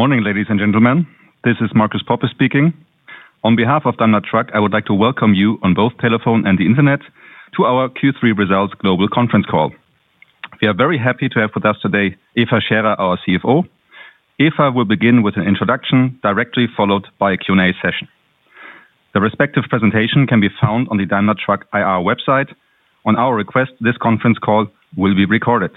Good morning, ladies and gentlemen. This is Marcus Poppe speaking. On behalf of Daimler Truck, I would like to welcome you on both telephone and the Internet to our Q3 results global conference call. We are very happy to have with us today Eva Scherer, our CFO. Eva will begin with an introduction directly followed by a Q&A session. The respective presentation can be found on the Daimler Truck IR website. On our request, this conference call will be recorded.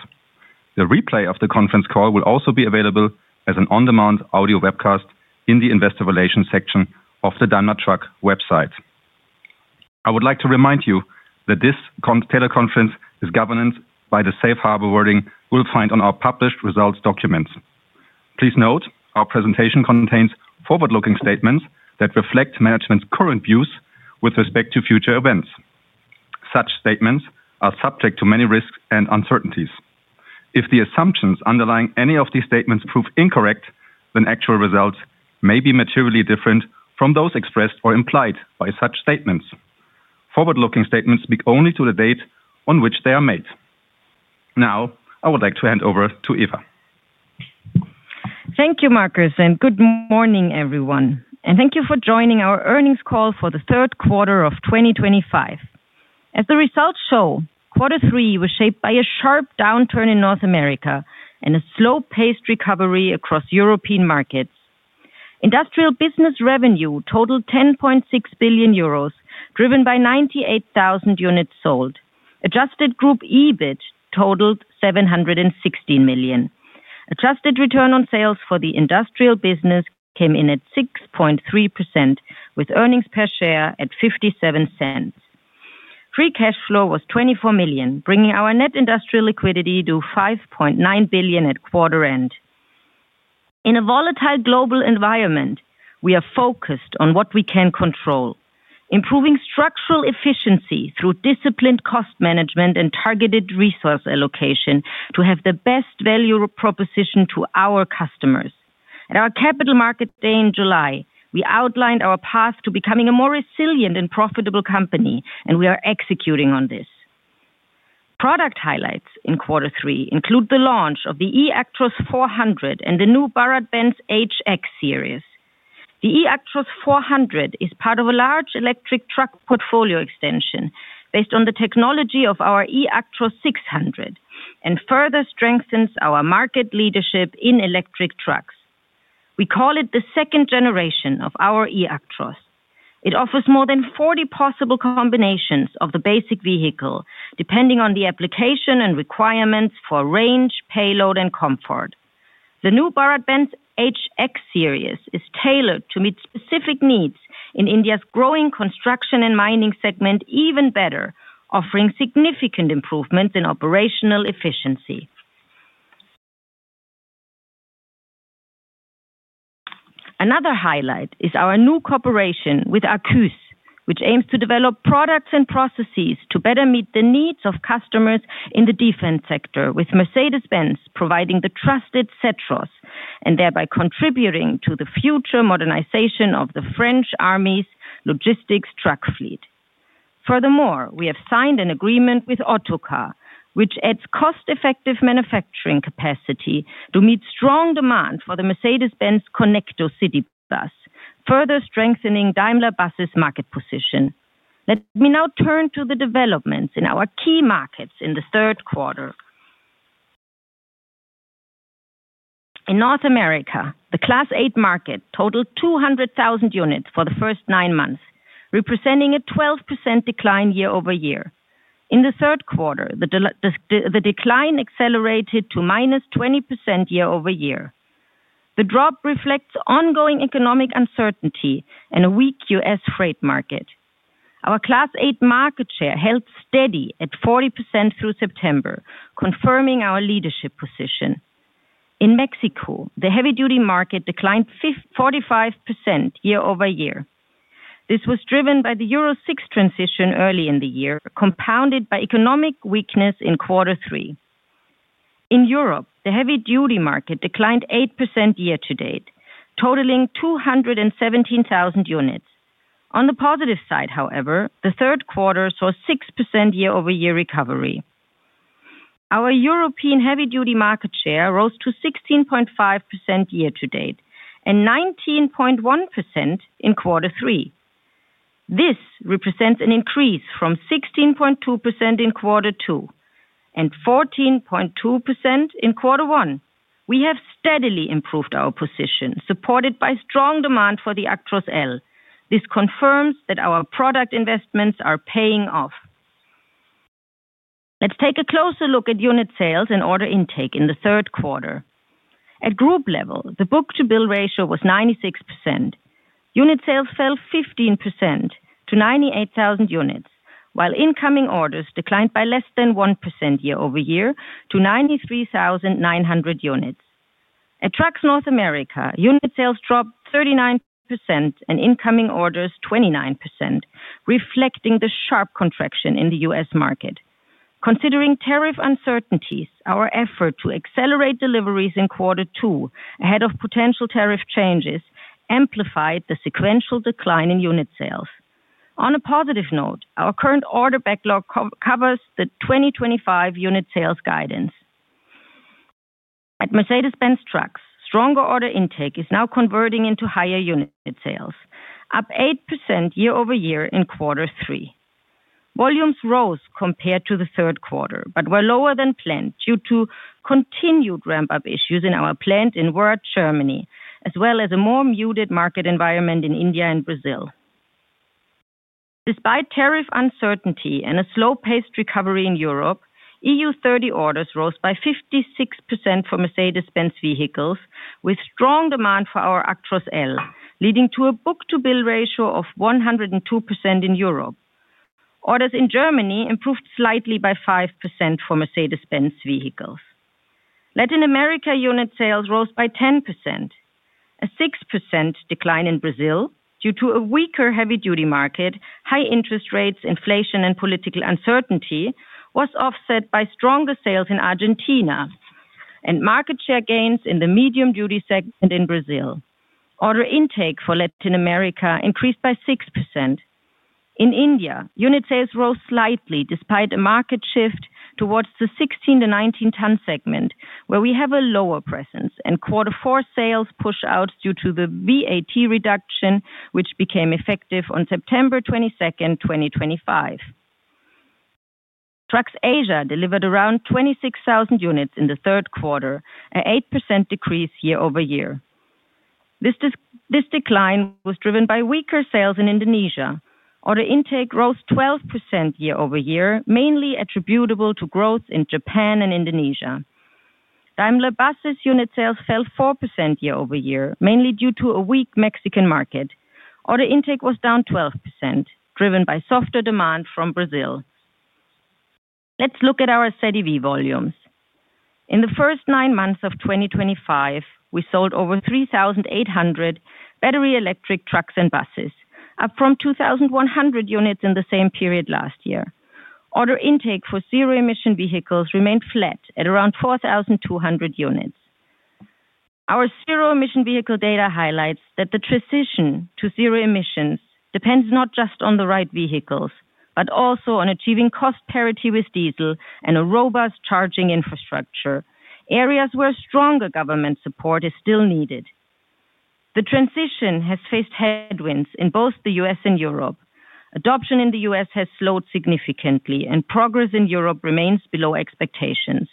The replay of the conference call will also be available as an on-demand audio webcast in the investor relations section of the Daimler Truck website. I would like to remind you that this teleconference is governed by the safe harbor wording you'll find on our published results documents. Please note our presentation contains forward-looking statements that reflect management's current views with respect to future events. Such statements are subject to many risks and uncertainties. If the assumptions underlying any of these statements prove incorrect, then actual results may be materially different from those expressed or implied by such statements. Forward-looking statements speak only to the date on which they are made. Now, I would like to hand over to Eva. Thank you, Marcus, and good morning, everyone. Thank you for joining our earnings call for the third quarter of 2025. As the results show, quarter three was shaped by a sharp downturn in North America and a slow-paced recovery across European markets. Industrial business revenue totaled 10.6 billion euros, driven by 98,000 units sold. Adjusted group EBIT totaled 716 million. Adjusted return on sales for the industrial business came in at 6.3%, with earnings per share at 0.57. Free cash flow was 24 million, bringing our net industrial liquidity to 5.9 billion at quarter end. In a volatile global environment, we are focused on what we can control, improving structural efficiency through disciplined cost management and targeted resource allocation to have the best value proposition to our customers. At our Capital Market Day in July, we outlined our path to becoming a more resilient and profitable company, and we are executing on this. Product highlights in quarter three include the launch of the eActros 400 and the new BharatBenz HX series. The eActros 400 is part of a large electric truck portfolio extension based on the technology of our eActros 600 and further strengthens our market leadership in electric trucks. We call it the 2nd generation of our eActros. It offers more than 40 possible combinations of the basic vehicle, depending on the application and requirements for range, payload, and comfort. The new BharatBenz HX series is tailored to meet specific needs in India's growing construction and mining segment even better, offering significant improvements in operational efficiency. Another highlight is our new cooperation with Arquus, which aims to develop products and processes to better meet the needs of customers in the defense sector, with Mercedes-Benz providing the trusted Zetros and thereby contributing to the future modernization of the French Army's logistics truck fleet. Furthermore, we have signed an agreement with Autocar, which adds cost-effective manufacturing capacity to meet strong demand for the Mercedes-Benz Conecto city bus, further strengthening Daimler Bus's market position. Let me now turn to the developments in our key markets in the third quarter. In North America, the Class 8 market totaled 200,000 units for the first nine months, representing a 12% decline year-over-year. In the third quarter, the decline accelerated to -20% year-over-year. The drop reflects ongoing economic uncertainty and a weak U.S. freight market. Our Class 8 market share held steady at 40% through September, confirming our leadership position. In Mexico, the heavy-duty market declined 45% year-over-year. This was driven by the Euro 6 transition early in the year, compounded by economic weakness in quarter three. In Europe, the heavy-duty market declined 8% year-to-date, totaling 217,000 units. On the positive side, however, the third quarter saw a 6% year-over-year recovery. Our European heavy-duty market share rose to 16.5% year-to-date and 19.1% in quarter three. This represents an increase from 16.2% in quarter two and 14.2% in quarter one. We have steadily improved our position, supported by strong demand for the Actros L. This confirms that our product investments are paying off. Let's take a closer look at unit sales and order intake in the third quarter. At group level, the book-to-bill ratio was 96%. Unit sales fell 15% to 98,000 units, while incoming orders declined by less than 1% year-over-year to 93,900 units. At Trucks North America, unit sales dropped 39% and incoming orders 29%, reflecting the sharp contraction in the U.S. market. Considering tariff uncertainties, our effort to accelerate deliveries in quarter two ahead of potential tariff changes amplified the sequential decline in unit sales. On a positive note, our current order backlog covers the 2025 unit sales guidance. At Mercedes-Benz Trucks, stronger order intake is now converting into higher unit sales, up 8% year-over-year in quarter three. Volumes rose compared to the third quarter but were lower than planned due to continued ramp-up issues in our plant in Wörth, Germany, as well as a more muted market environment in India and Brazil. Despite tariff uncertainty and a slow-paced recovery in Europe, EU 30 orders rose by 56% for Mercedes-Benz vehicles, with strong demand for our Actros L, leading to a book-to-bill ratio of 102% in Europe. Orders in Germany improved slightly by 5% for Mercedes-Benz vehicles. Latin America unit sales rose by 10%. A 6% decline in Brazil due to a weaker heavy-duty market, high interest rates, inflation, and political uncertainty was offset by stronger sales in Argentina and market share gains in the medium-duty segment in Brazil. Order intake for Latin America increased by 6%. In India, unit sales rose slightly despite a market shift towards the 16-19-ton segment, where we have a lower presence, and quarter four sales pushed out due to the VAT reduction, which became effective on September 22, 2025. Trucks Asia delivered around 26,000 units in the third quarter, an 8% decrease year-over-year. This decline was driven by weaker sales in Indonesia. Order intake rose 12% year-over-year, mainly attributable to growth in Japan and Indonesia. Daimler Bus's unit sales fell 4% year-over-year, mainly due to a weak Mexican market. Order intake was down 12%, driven by softer demand from Brazil. Let's look at our ZEV volumes. In the first nine months of 2025, we sold over 3,800 battery electric trucks and buses, up from 2,100 units in the same period last year. Order intake for zero-emission vehicles remained flat at around 4,200 units. Our zero-emission vehicle data highlights that the transition to zero emissions depends not just on the right vehicles but also on achieving cost parity with diesel and a robust charging infrastructure, areas where stronger government support is still needed. The transition has faced headwinds in both the U.S. and Europe. Adoption in the U.S. has slowed significantly, and progress in Europe remains below expectations.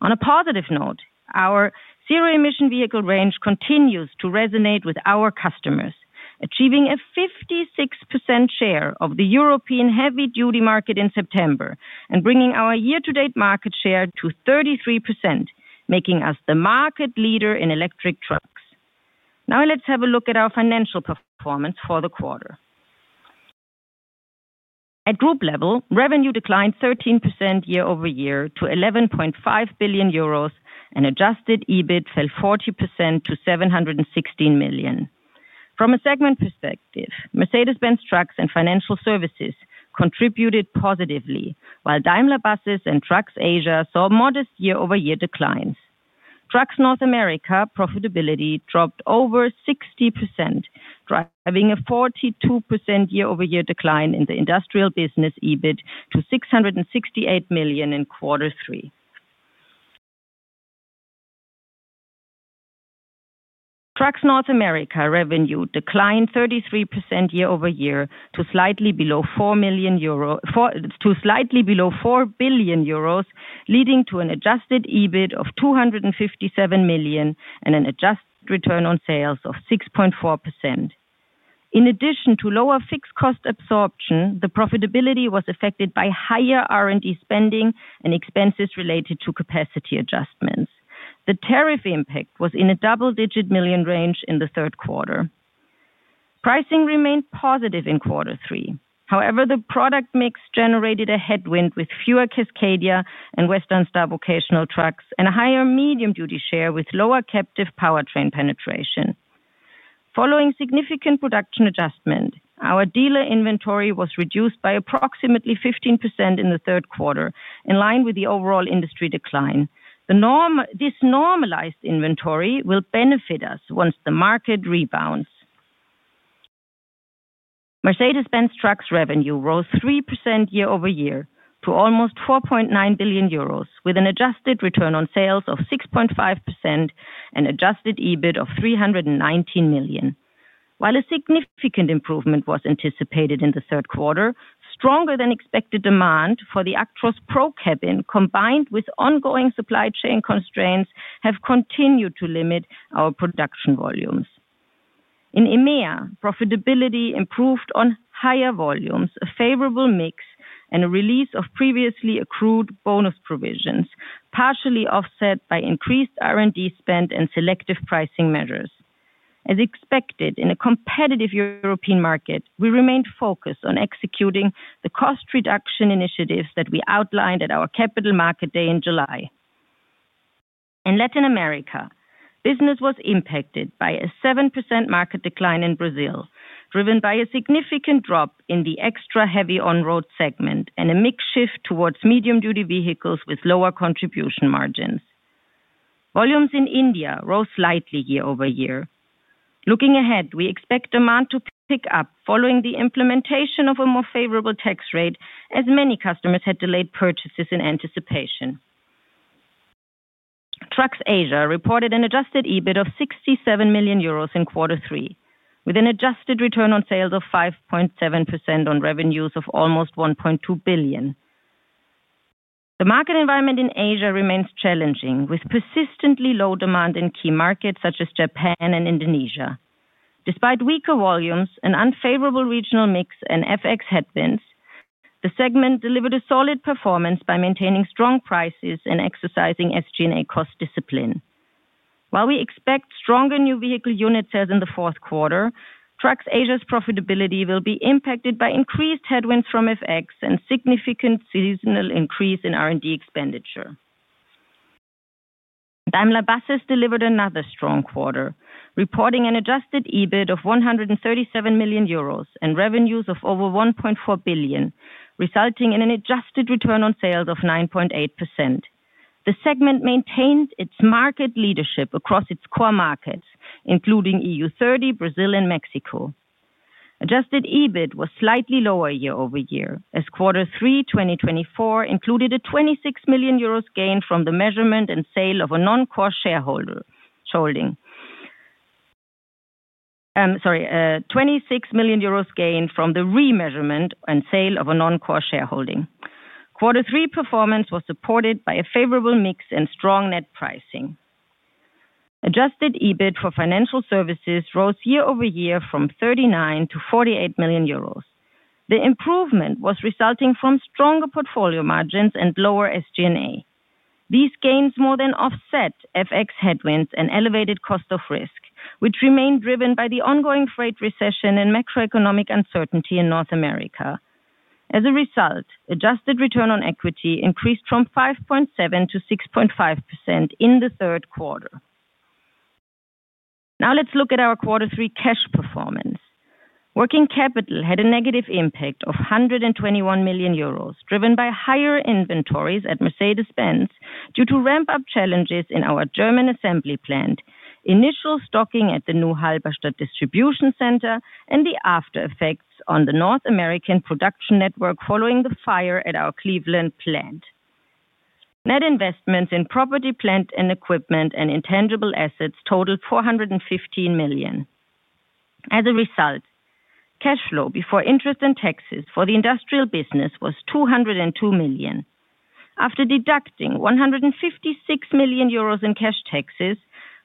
On a positive note, our zero-emission vehicle range continues to resonate with our customers, achieving a 56% share of the European heavy-duty market in September and bringing our year-to-date market share to 33%, making us the market leader in electric trucks. Now, let's have a look at our financial performance for the quarter. At group level, revenue declined 13% year-over-year to 11.5 billion euros, and adjusted EBIT fell 40% to 716 million. From a segment perspective, Mercedes-Benz Trucks and Financial Services contributed positively, while Daimler Buses and Trucks Asia saw modest year-over-year declines. Trucks North America profitability dropped over 60%, driving a 42% year-over-year decline in the industrial business EBIT to 668 million in quarter three. Trucks North America revenue declined 33% year-over-year to slightly below 4 billion euros, leading to an adjusted EBIT of 257 million and an adjusted return on sales of 6.4%. In addition to lower fixed cost absorption, the profitability was affected by higher R&D spending and expenses related to capacity adjustments. The tariff impact was in a double-digit million range in the third quarter. Pricing remained positive in quarter three. However, the product mix generated a headwind with fewer Cascadia and Western Star vocational trucks and a higher medium-duty share with lower captive powertrain penetration. Following significant production adjustment, our dealer inventory was reduced by approximately 15% in the third quarter, in line with the overall industry decline. This normalized inventory will benefit us once the market rebounds. Mercedes-Benz Trucks revenue rose 3% year-over-year to almost 4.9 billion euros, with an adjusted return on sales of 6.5% and adjusted EBIT of 319 million. While a significant improvement was anticipated in the third quarter, stronger-than-expected demand for the Actros ProCabin, combined with ongoing supply chain constraints, has continued to limit our production volumes. In EMEA, profitability improved on higher volumes, a favorable mix, and a release of previously accrued bonus provisions, partially offset by increased R&D spend and selective pricing measures. As expected in a competitive European market, we remained focused on executing the cost reduction initiatives that we outlined at our Capital Market Day in July. In Latin America, business was impacted by a 7% market decline in Brazil, driven by a significant drop in the extra-heavy on-road segment and a mixed shift towards medium-duty vehicles with lower contribution margins. Volumes in India rose slightly year-over-year. Looking ahead, we expect demand to pick up following the implementation of a more favorable tax rate, as many customers had delayed purchases in anticipation. Trucks Asia reported an adjusted EBIT of 67 million euros in quarter three, with an adjusted return on sales of 5.7% on revenues of almost 1.2 billion. The market environment in Asia remains challenging, with persistently low demand in key markets such as Japan and Indonesia. Despite weaker volumes and unfavorable regional mix and FX headwinds, the segment delivered a solid performance by maintaining strong prices and exercising SG&A cost discipline. While we expect stronger new vehicle unit sales in the fourth quarter, Trucks Asia's profitability will be impacted by increased headwinds from FX and significant seasonal increase in R&D expenditure. Daimler Buses delivered another strong quarter, reporting an adjusted EBIT of 137 million euros and revenues of over 1.4 billion, resulting in an adjusted return on sales of 9.8%. The segment maintained its market leadership across its core markets, including EU 30, Brazil, and Mexico. Adjusted EBIT was slightly lower year-over-year, as quarter three 2024 included a 26 million euros gain from the measurement and sale of a non-core shareholding. Sorry, 26 million euros gain from the re-measurement and sale of a non-core shareholding. Quarter three performance was supported by a favorable mix and strong net pricing. Adjusted EBIT for financial services rose year-over-year from 39 million to 48 million euros. The improvement was resulting from stronger portfolio margins and lower SG&A. These gains more than offset FX headwinds and elevated cost of risk, which remained driven by the ongoing freight recession and macroeconomic uncertainty in North America. As a result, adjusted return on equity increased from 5.7% to 6.5% in the third quarter. Now, let's look at our quarter three cash performance. Working capital had a negative impact of 121 million euros, driven by higher inventories at Mercedes-Benz due to ramp-up challenges in our German assembly plant, initial stocking at the new Halberstadt distribution center, and the aftereffects on the North American production network following the fire at our Cleveland plant. Net investments in property, plant and equipment and intangible assets totaled 415 million. As a result, cash flow before interest and taxes for the industrial business was 202 million. After deducting 156 million euros in cash taxes,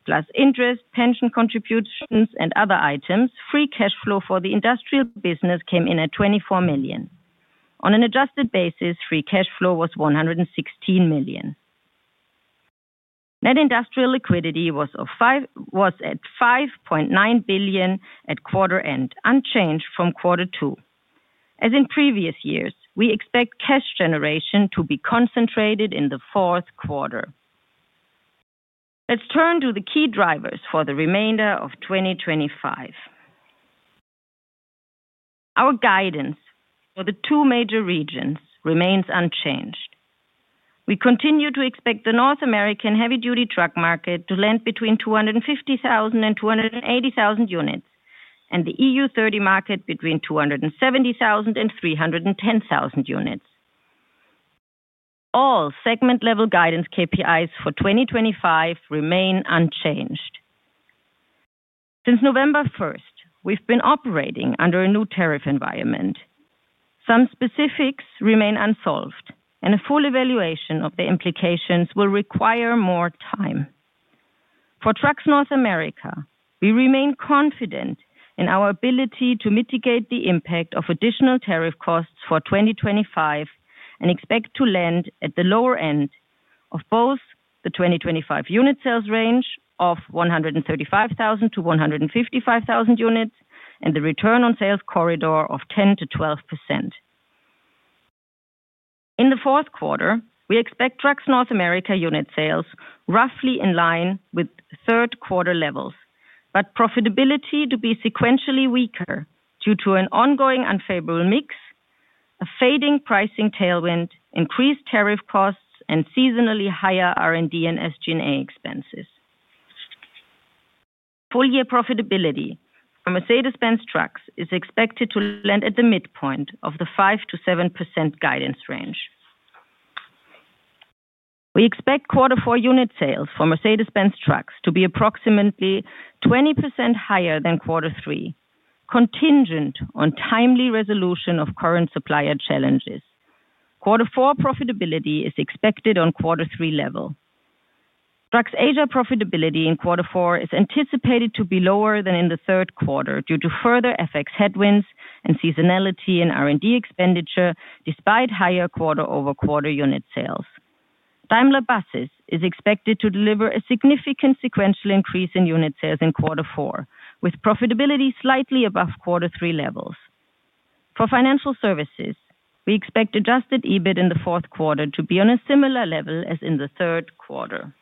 plus interest, pension contributions, and other items, free cash flow for the industrial business came in at 24 million. On an adjusted basis, free cash flow was 116 million. Net industrial liquidity was at 5.9 billion at quarter end, unchanged from quarter two. As in previous years, we expect cash generation to be concentrated in the fourth quarter. Let's turn to the key drivers for the remainder of 2025. Our guidance for the two major regions remains unchanged. We continue to expect the North American heavy-duty truck market to land between 250,000-280,000 units and the EU 30 market between 270,000-310,000 units. All segment-level guidance KPIs for 2025 remain unchanged. Since November 1, we've been operating under a new tariff environment. Some specifics remain unsolved, and a full evaluation of the implications will require more time. For Trucks North America, we remain confident in our ability to mitigate the impact of additional tariff costs for 2025 and expect to land at the lower end of both the 2025 unit sales range of 135,000-155,000 units and the return on sales corridor of 10%-12%. In the fourth quarter, we expect Trucks North America unit sales roughly in line with third quarter levels, but profitability to be sequentially weaker due to an ongoing unfavorable mix, a fading pricing tailwind, increased tariff costs, and seasonally higher R&D and SG&A expenses. Full-year profitability for Mercedes-Benz Trucks is expected to land at the midpoint of the 5%-7% guidance range. We expect quarter four unit sales for Mercedes-Benz Trucks to be approximately 20% higher than quarter three, contingent on timely resolution of current supplier challenges. Quarter four profitability is expected on quarter three level. Trucks Asia profitability in quarter four is anticipated to be lower than in the third quarter due to further FX headwinds and seasonality in R&D expenditure, despite higher quarter-over-quarter unit sales. Daimler Buses is expected to deliver a significant sequential increase in unit sales in quarter four, with profitability slightly above quarter three levels. For financial services, we expect adjusted EBIT in the fourth quarter to be on a similar level as in the third quarter.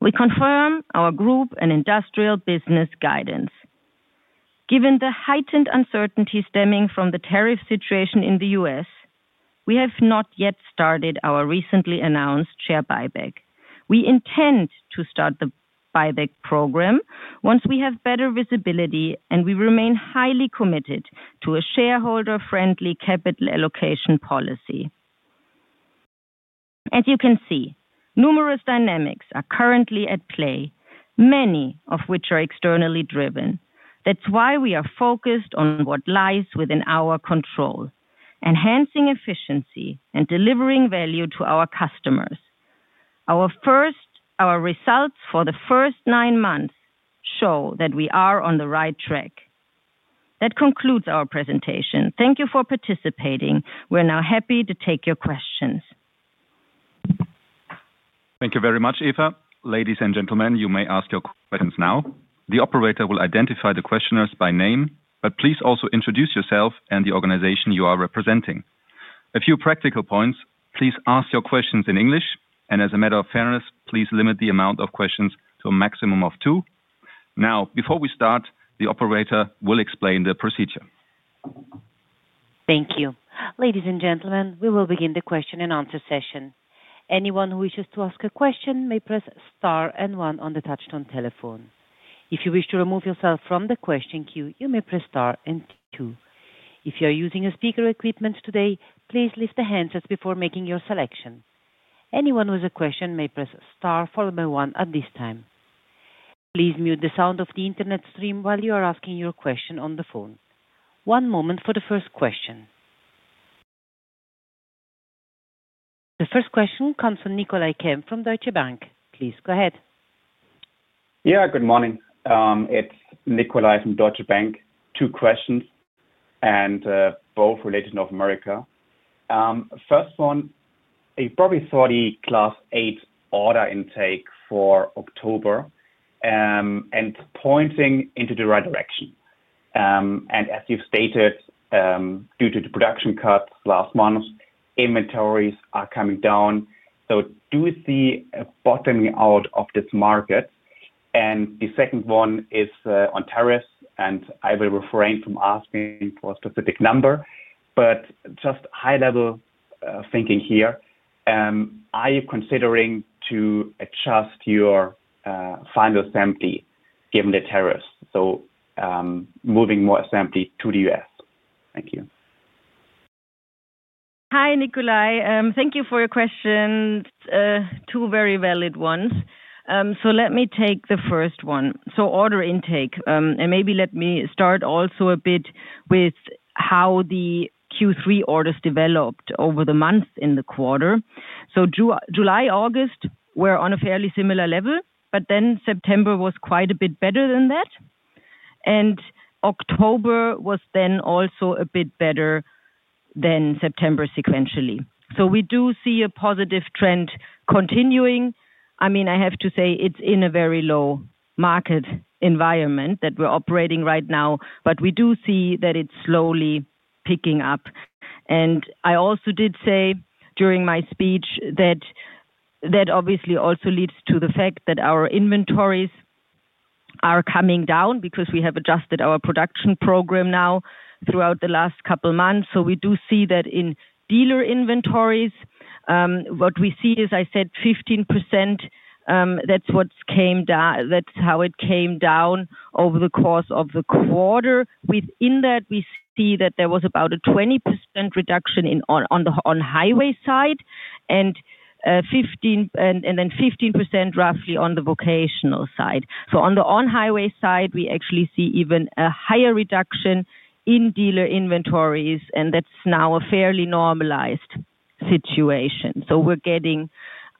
We confirm our group and industrial business guidance. Given the heightened uncertainty stemming from the tariff situation in the U.S., we have not yet started our recently announced share buyback. We intend to start the buyback program once we have better visibility, and we remain highly committed to a shareholder-friendly capital allocation policy. As you can see, numerous dynamics are currently at play, many of which are externally driven. That's why we are focused on what lies within our control, enhancing efficiency and delivering value to our customers. Our results for the first nine months show that we are on the right track. That concludes our presentation. Thank you for participating. We're now happy to take your questions. Thank you very much, Eva. Ladies and gentlemen, you may ask your questions now. The operator will identify the questioners by name, but please also introduce yourself and the organization you are representing. A few practical points: please ask your questions in English, and as a matter of fairness, please limit the amount of questions to a maximum of two. Now, before we start, the operator will explain the procedure. Thank you. Ladies and gentlemen, we will begin the question-and-answer session. Anyone who wishes to ask a question may press star and one on the touch-tone telephone. If you wish to remove yourself from the question queue, you may press star and two. If you are using a speaker equipment today, please lift the hands before making your selection. Anyone with a question may press star followed by one at this time. Please mute the sound of the internet stream while you are asking your question on the phone. One moment for the first question. The first question comes from Nicolai Kempf from Deutsche Bank. Please go ahead. Yeah, good morning. It's Nicolai from Deutsche Bank. Two questions, and both related to North America. First one, you probably saw the Class 8 order intake for October. And pointing into the right direction. As you've stated, due to the production cuts last month, inventories are coming down. Do we see a bottoming out of this market? The second one is on tariffs, and I will refrain from asking for a specific number, but just high-level thinking here. Are you considering to adjust your final assembly given the tariffs? Moving more assembly to the U.S.? Thank you. Hi, Nicolai. Thank you for your questions. Two very valid ones. Let me take the first one. Order intake, and maybe let me start also a bit with how the Q3 orders developed over the months in the quarter. July and August were on a fairly similar level, but then September was quite a bit better than that. October was then also a bit better than September sequentially. We do see a positive trend continuing. I mean, I have to say it is in a very low market environment that we are operating right now, but we do see that it is slowly picking up. I also did say during my speech that obviously also leads to the fact that our inventories are coming down because we have adjusted our production program now throughout the last couple of months. We do see that in dealer inventories. What we see is, I said, 15%. That is what came down. That is how it came down over the course of the quarter. Within that, we see that there was about a 20% reduction on the highway side, and 15% roughly on the vocational side. On the on-highway side, we actually see even a higher reduction in dealer inventories, and that is now a fairly normalized situation. We are getting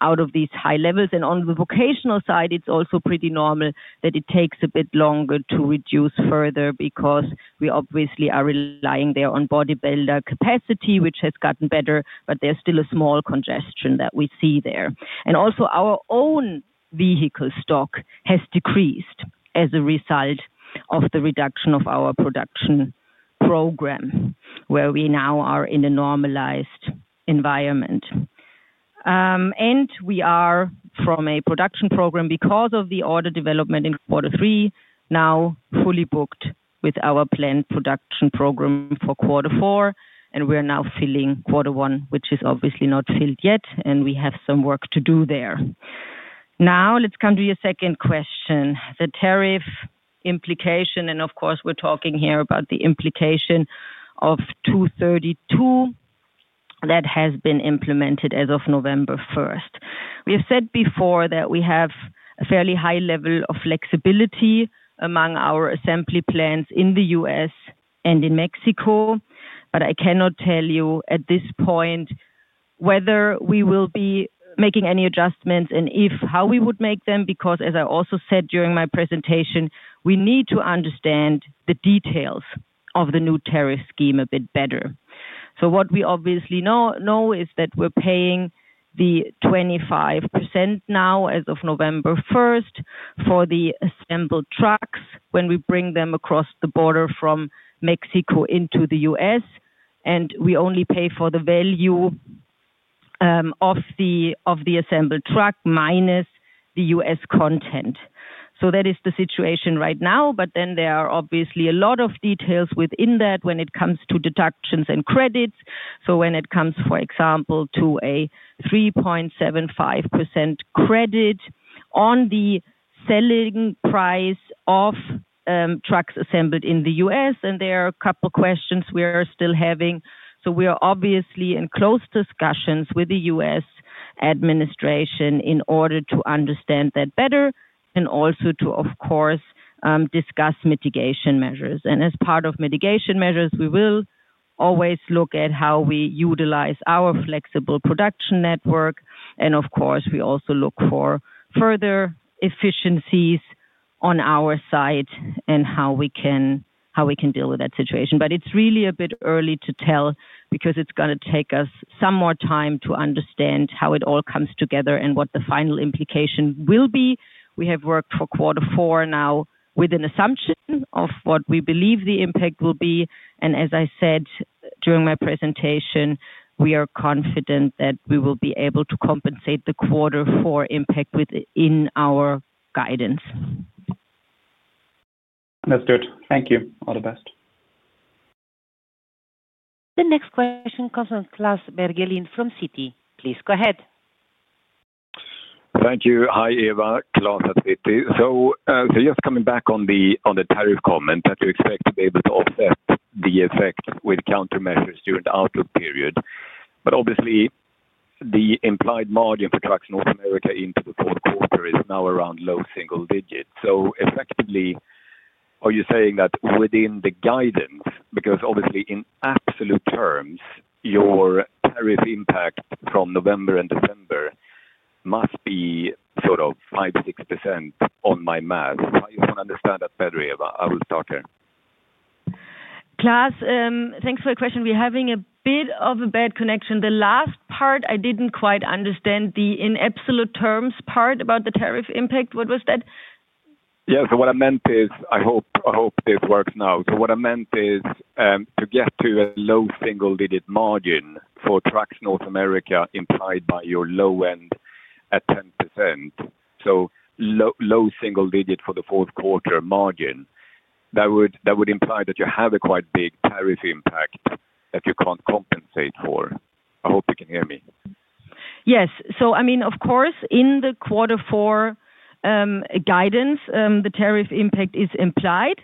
out of these high levels. On the vocational side, it's also pretty normal that it takes a bit longer to reduce further because we obviously are relying there on bodybuilder capacity, which has gotten better, but there's still a small congestion that we see there. Also, our own vehicle stock has decreased as a result of the reduction of our production program, where we now are in a normalized environment. We are, from a production program, because of the order development in quarter three, now fully booked with our planned production program for quarter four, and we're now filling quarter one, which is obviously not filled yet, and we have some work to do there. Now, let's come to your second question, the tariff implication, and of course, we're talking here about the implication of Section 232. That has been implemented as of November 1st. We have said before that we have a fairly high level of flexibility among our assembly plants in the U.S. and in Mexico, but I cannot tell you at this point whether we will be making any adjustments and if, how we would make them, because, as I also said during my presentation, we need to understand the details of the new tariff scheme a bit better. What we obviously know is that we're paying the 25% now as of November 1st for the assembled trucks when we bring them across the border from Mexico into the U.S., and we only pay for the value of the assembled truck minus the U.S. content. That is the situation right now, but then there are obviously a lot of details within that when it comes to deductions and credits. When it comes, for example, to a 3.75% credit on the selling price of trucks assembled in the U.S., there are a couple of questions we are still having. We are obviously in close discussions with the U.S. Administration in order to understand that better and also to, of course, discuss mitigation measures. As part of mitigation measures, we will always look at how we utilize our flexible production network, and of course, we also look for further efficiencies on our side and how we can deal with that situation. It is really a bit early to tell because it is going to take us some more time to understand how it all comes together and what the final implication will be. We have worked for quarter four now with an assumption of what we believe the impact will be, and as I said during my presentation, we are confident that we will be able to compensate the quarter four impact within our guidance. That's good. Thank you. All the best. The next question comes from Klas Bergelind from Citi. Please go ahead. Thank you. Hi, Eva. Klas at Citi. Just coming back on the tariff comment that you expect to be able to offset the effect with countermeasures during the outlook period, but obviously the implied margin for Trucks North America into the fourth quarter is now around low single digits. Effectively, are you saying that within the guidance, because obviously in absolute terms, your tariff impact from November and December must be sort of 5%-6% on my math? I just do not understand that better, Eva. I will stop there. Klas, thanks for the question. We're having a bit of a bad connection. The last part, I didn't quite understand the in absolute terms part about the tariff impact. What was that? Yeah, so what I meant is, I hope this works now. So what I meant is to get to a low single digit margin for Trucks North America implied by your low end at 10%. Low single digit for the fourth quarter margin, that would imply that you have a quite big tariff impact that you can't compensate for. I hope you can hear me. Yes. I mean, of course, in the quarter four guidance, the tariff impact is implied.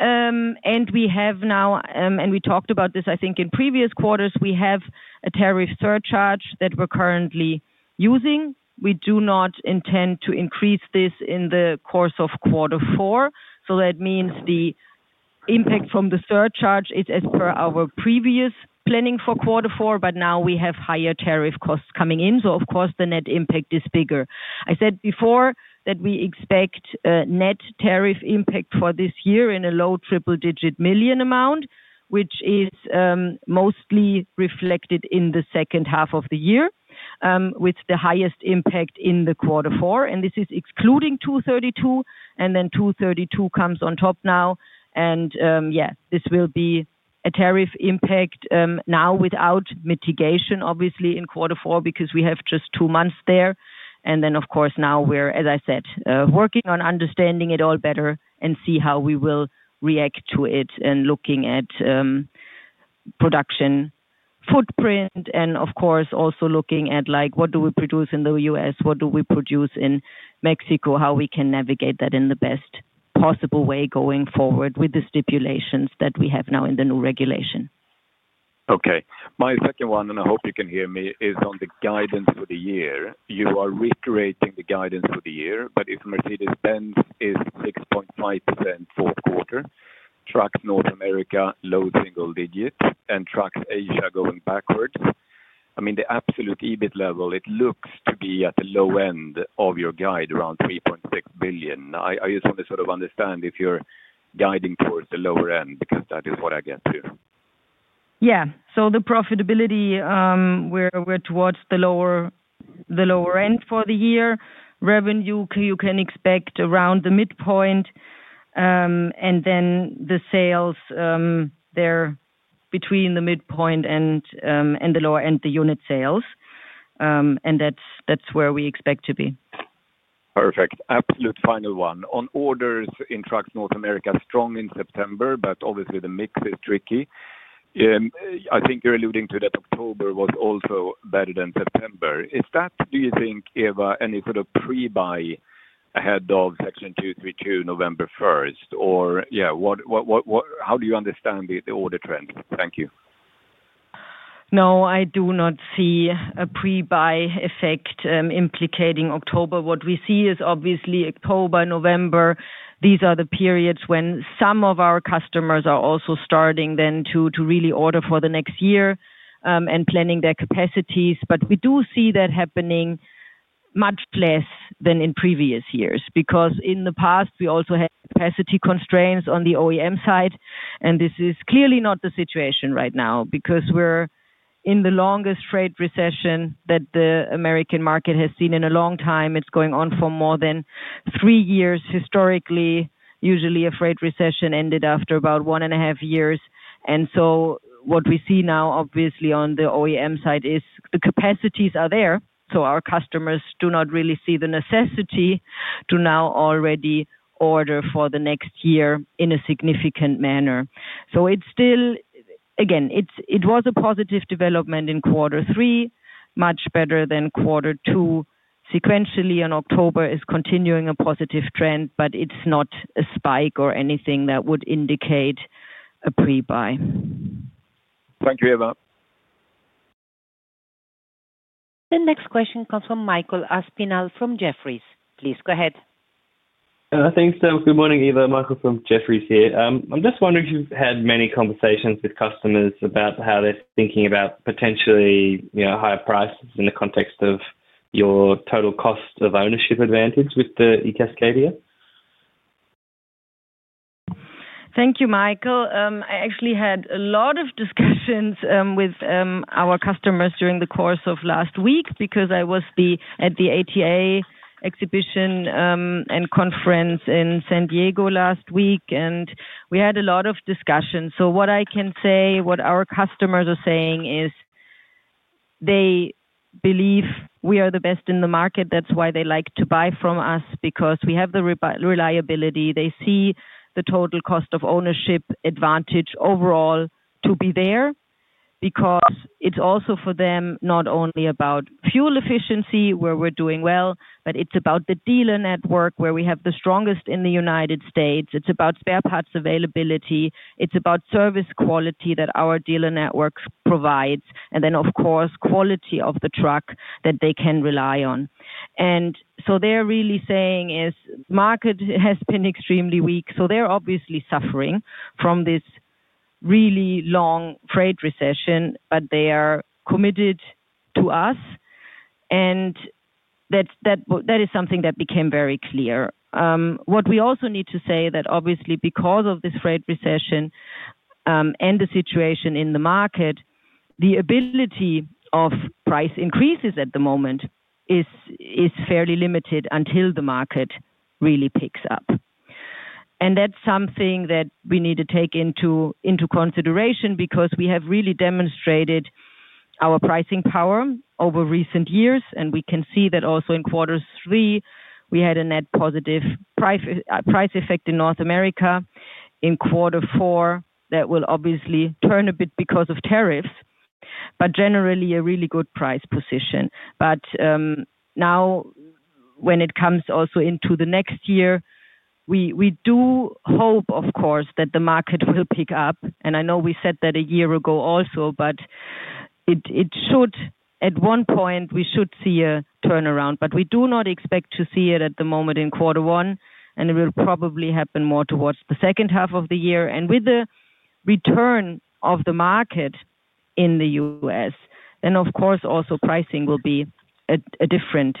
We have now, and we talked about this, I think, in previous quarters, we have a tariff surcharge that we're currently using. We do not intend to increase this in the course of quarter four. That means the impact from the surcharge is as per our previous planning for quarter four, but now we have higher tariff costs coming in. Of course, the net impact is bigger. I said before that we expect a net tariff impact for this year in a low triple-digit million amount, which is mostly reflected in the second half of the year, with the highest impact in quarter four. This is excluding 232, and then 232 comes on top now. Yeah, this will be a tariff impact now without mitigation, obviously, in quarter four because we have just two months there. Of course, now we are, as I said, working on understanding it all better and see how we will react to it and looking at production footprint and, of course, also looking at what do we produce in the U.S., what do we produce in Mexico, how we can navigate that in the best possible way going forward with the stipulations that we have now in the new regulation. Okay. My second one, and I hope you can hear me, is on the guidance for the year. You are recreating the guidance for the year, but if Mercedes-Benz is 6.5% fourth quarter, Trucks North America, low single digit, and Trucks Asia going backwards, I mean, the absolute EBIT level, it looks to be at the low end of your guide, around 3.6 billion. I just want to sort of understand if you're guiding towards the lower end because that is what I get here. Yeah. So the profitability. We're towards the lower end for the year. Revenue, you can expect around the midpoint. The sales are between the midpoint and the lower end, the unit sales. That is where we expect to be. Perfect. Absolute final one. On orders in Trucks North America, strong in September, but obviously the mix is tricky. I think you are alluding to that October was also better than September. Is that, do you think, Eva, any sort of pre-buy ahead of Section 232, November 1st? Or, yeah. How do you understand the order trend? Thank you. No, I do not see a pre-buy effect implicating October. What we see is obviously October, November. These are the periods when some of our customers are also starting then to really order for the next year and planning their capacities. We do see that happening much less than in previous years because in the past, we also had capacity constraints on the OEM side, and this is clearly not the situation right now because we're in the longest trade recession that the American market has seen in a long time. It's going on for more than three years historically. Usually, a trade recession ended after about one and a half years. What we see now, obviously, on the OEM side is the capacities are there. Our customers do not really see the necessity to now already order for the next year in a significant manner. It was a positive development in quarter three, much better than quarter two. Sequentially in October is continuing a positive trend, but it's not a spike or anything that would indicate a pre-buy. Thank you, Eva. The next question comes from Michael Aspinall from Jefferies. Please go ahead. Thanks, Joe. Good morning, Eva. Michael from Jefferies here. I'm just wondering if you've had many conversations with customers about how they're thinking about potentially higher prices in the context of your total cost of ownership advantage with the eCascadia? Thank you, Michael. I actually had a lot of discussions with our customers during the course of last week because I was at the ATA Exhibition and Conference in San Diego last week, and we had a lot of discussions. What I can say, what our customers are saying is they believe we are the best in the market. That's why they like to buy from us because we have the reliability. They see the total cost of ownership advantage overall to be there because it is also for them not only about fuel efficiency, where we are doing well, but it is about the dealer network where we have the strongest in the U.S. It is about spare parts availability. It is about service quality that our dealer network provides. Of course, quality of the truck that they can rely on is important. They are really saying the market has been extremely weak. They are obviously suffering from this really long trade recession, but they are committed to us. That is something that became very clear. What we also need to say is that obviously, because of this trade recession and the situation in the market, the ability of price increases at the moment is fairly limited until the market really picks up. That is something that we need to take into consideration because we have really demonstrated our pricing power over recent years, and we can see that also in quarter three, we had a net positive price effect in North America. In quarter four, that will obviously turn a bit because of tariffs, but generally a really good price position. Now, when it comes also into the next year, we do hope, of course, that the market will pick up. I know we said that a year ago also, but at one point, we should see a turnaround. We do not expect to see it at the moment in quarter one, and it will probably happen more towards the second half of the year. With the return of the market in the U.S., then, of course, also pricing will be a different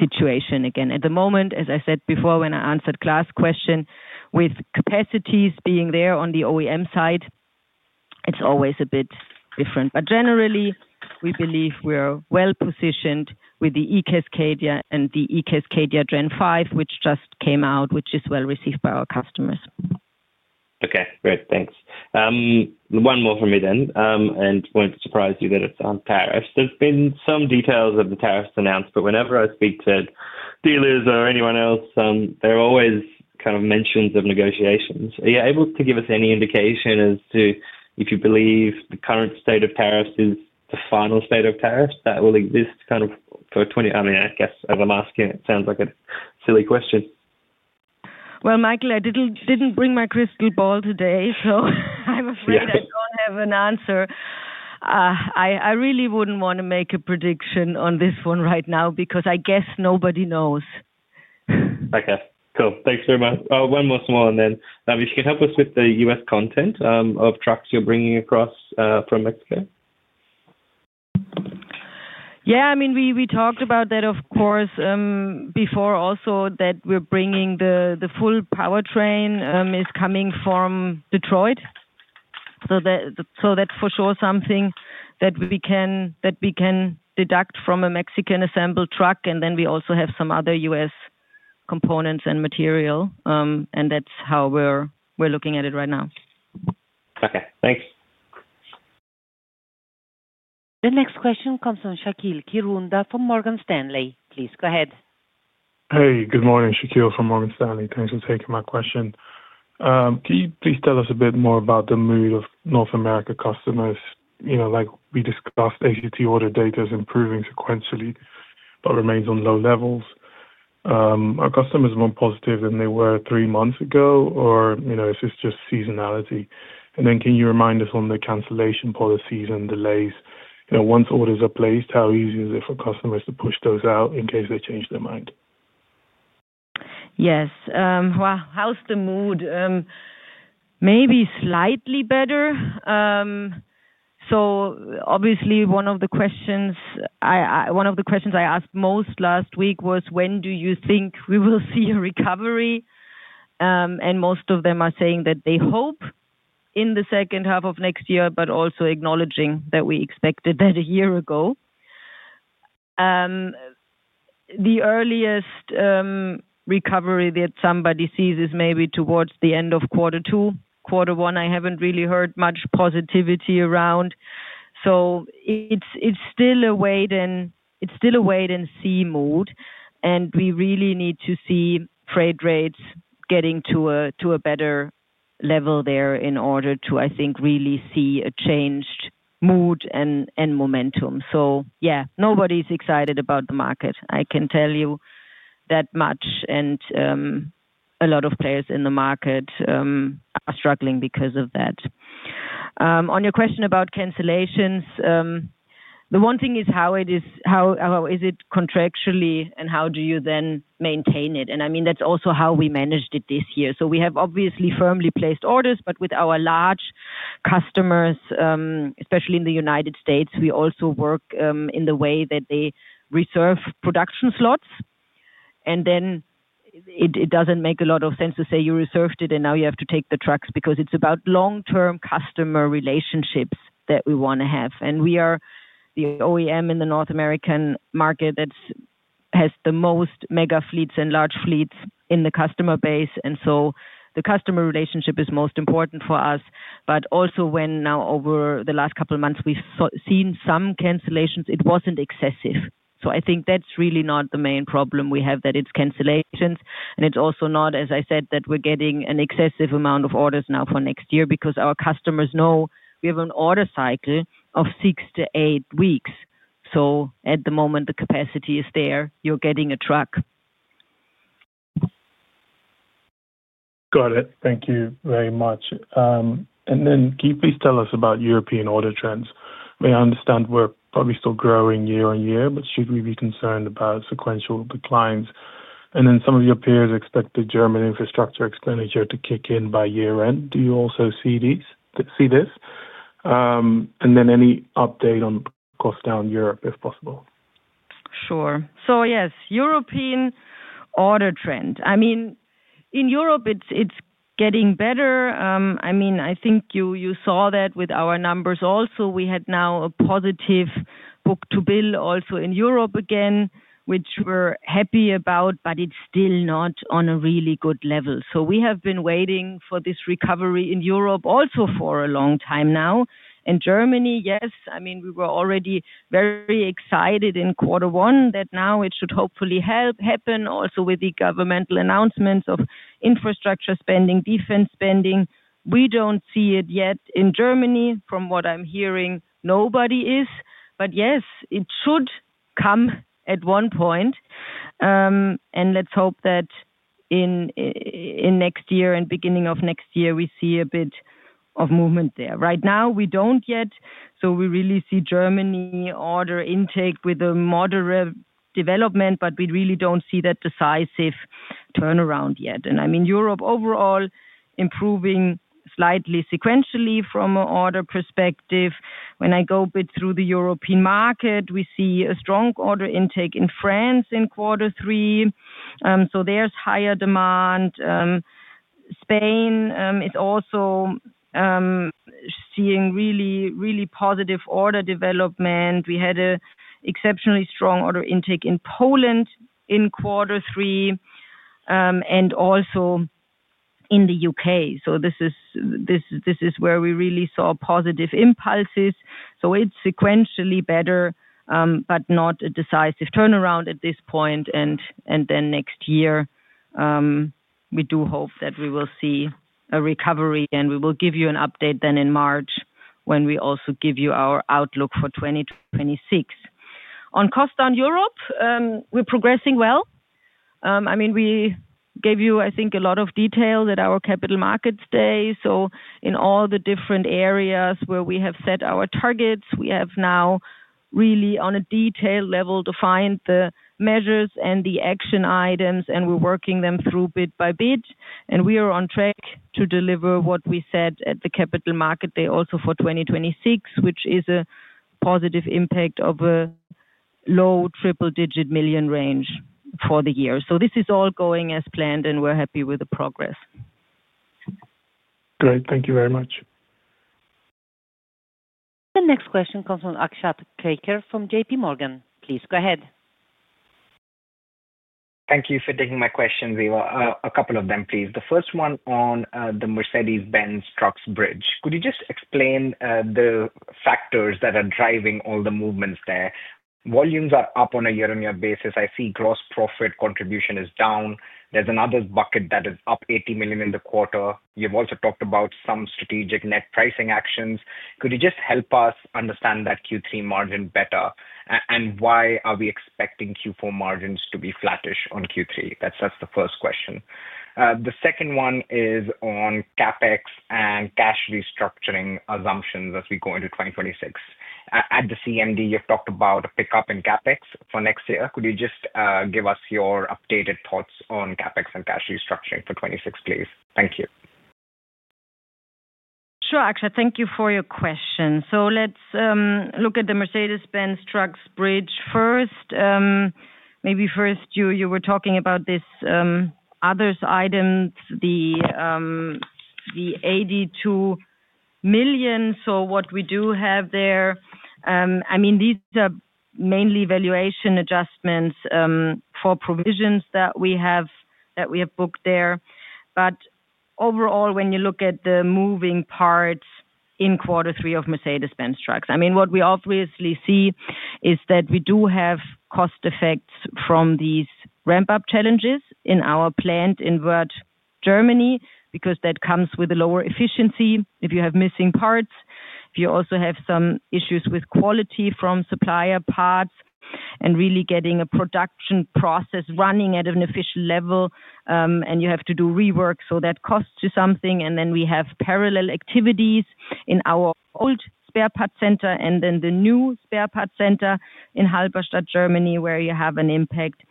situation again. At the moment, as I said before when I answered Klas' question, with capacities being there on the OEM side, it's always a bit different. Generally, we believe we are well positioned with the eCascadia and the eCascadia Gen 5, which just came out, which is well received by our customers. Okay. Great. Thanks. One more from me then, and it won't surprise you that it's on tariffs. There have been some details of the tariffs announced, but whenever I speak to dealers or anyone else, there are always kind of mentions of negotiations. Are you able to give us any indication as to if you believe the current state of tariffs is the final state of tariffs that will exist kind of for 2020? I mean, I guess as I'm asking, it sounds like a silly question. Michael, I did not bring my crystal ball today, so I am afraid I do not have an answer. I really would not want to make a prediction on this one right now because I guess nobody knows. Okay. Cool. Thanks very much. One more small one then. If you can help us with the U.S. content of trucks you are bringing across from Mexico. Yeah. I mean, we talked about that, of course, before also that we are bringing the full powertrain is coming from Detroit. So that is for sure something that we can deduct from a Mexican assembled truck. And then we also have some other U.S. components and material, and that is how we are looking at it right now. Okay. Thanks. The next question comes from Shaqeal Kirunda from Morgan Stanley. Please go ahead. Hey, good morning. Shaqeal from Morgan Stanley. Thanks for taking my question. Can you please tell us a bit more about the mood of North America customers? Like we discussed, ACT order data is improving sequentially but remains on low levels. Are customers more positive than they were three months ago, or is this just seasonality? Can you remind us on the cancellation policies and delays? Once orders are placed, how easy is it for customers to push those out in case they change their mind? Yes. How's the mood? Maybe slightly better. Obviously, one of the questions I asked most last week was, "When do you think we will see a recovery?" Most of them are saying that they hope in the second half of next year, but also acknowledging that we expected that a year ago. The earliest recovery that somebody sees is maybe towards the end of quarter two. Quarter one, I have not really heard much positivity around. It is still a wait-and-see mood, and we really need to see trade rates getting to a better level there in order to, I think, really see a changed mood and momentum. Yeah, nobody is excited about the market. I can tell you that much. A lot of players in the market are struggling because of that. On your question about cancellations, the one thing is how is it contractually and how do you then maintain it? I mean, that is also how we managed it this year. We have obviously firmly placed orders, but with our large customers, especially in the United States, we also work in the way that they reserve production slots. Then it does not make a lot of sense to say, "You reserved it, and now you have to take the trucks," because it is about long-term customer relationships that we want to have. We are the OEM in the North American market that has the most mega fleets and large fleets in the customer base. The customer relationship is most important for us. Also, when now over the last couple of months, we have seen some cancellations, it was not excessive. I think that is really not the main problem we have, that it is cancellations. It is also not, as I said, that we are getting an excessive amount of orders now for next year because our customers know we have an order cycle of six to eight weeks. At the moment, the capacity is there. You are getting a truck. Got it. Thank you very much. Can you please tell us about European order trends? I understand we're probably still growing year on year, but should we be concerned about sequential declines? Some of your peers expect the German infrastructure expenditure to kick in by year-end. Do you also see this? Any update on costs down Europe, if possible? Sure. Yes, European order trend. I mean, in Europe, it's getting better. I mean, I think you saw that with our numbers also. We had now a positive book-to-bill also in Europe again, which we're happy about, but it's still not on a really good level. We have been waiting for this recovery in Europe also for a long time now. In Germany, yes. I mean, we were already very excited in quarter one that now it should hopefully happen also with the governmental announcements of infrastructure spending, defense spending. We do not see it yet in Germany. From what I am hearing, nobody is. Yes, it should come at one point. Let us hope that in next year and beginning of next year, we see a bit of movement there. Right now, we do not yet. We really see Germany order intake with a moderate development, but we really do not see that decisive turnaround yet. I mean, Europe overall improving slightly sequentially from an order perspective. When I go a bit through the European market, we see a strong order intake in France in quarter three. There is higher demand. Spain is also seeing really, really positive order development. We had an exceptionally strong order intake in Poland in quarter three, and also in the U.K. This is where we really saw positive impulses. It is sequentially better, but not a decisive turnaround at this point. Next year, we do hope that we will see a recovery, and we will give you an update then in March when we also give you our outlook for 2026. On costs down Europe, we are progressing well. I mean, we gave you, I think, a lot of detail at our capital markets day. In all the different areas where we have set our targets, we have now really on a detailed level defined the measures and the action items, and we are working them through bit by bit. We are on track to deliver what we said at the Capital Market Day also for 2026, which is a positive impact of a low triple-digit million range for the year. This is all going as planned, and we're happy with the progress. Great. Thank you very much. The next question comes from Akshay Prabhakar from JPMorgan. Please go ahead. Thank you for taking my questions, Eva. A couple of them, please. The first one on the Mercedes-Benz Trucks bridge. Could you just explain the factors that are driving all the movements there? Volumes are up on a year-on-year basis. I see gross profit contribution is down. There's another bucket that is up €80 million in the quarter. You've also talked about some strategic net pricing actions. Could you just help us understand that Q3 margin better? Why are we expecting Q4 margins to be flattish on Q3? That's the first question. The second one is on CapEx and cash restructuring assumptions as we go into 2026. At the CMD, you've talked about a pickup in CapEx for next year. Could you just give us your updated thoughts on CapEx and cash restructuring for 2026, please? Thank you. Sure, Akshay. Thank you for your question. Let's look at the Mercedes-Benz Trucks bridge first. Maybe first, you were talking about this. Other items, the 82 million. What we do have there, I mean, these are mainly valuation adjustments for provisions that we have booked there. Overall, when you look at the moving parts in quarter three of Mercedes-Benz Trucks, what we obviously see is that we do have cost effects from these ramp-up challenges in our plant in Wörth, Germany, because that comes with a lower efficiency if you have missing parts. You also have some issues with quality from supplier parts and really getting a production process running at an efficient level, and you have to do rework. That costs you something. We have parallel activities in our old spare parts center and the new spare parts center in Halberstadt, Germany, where you have an impact.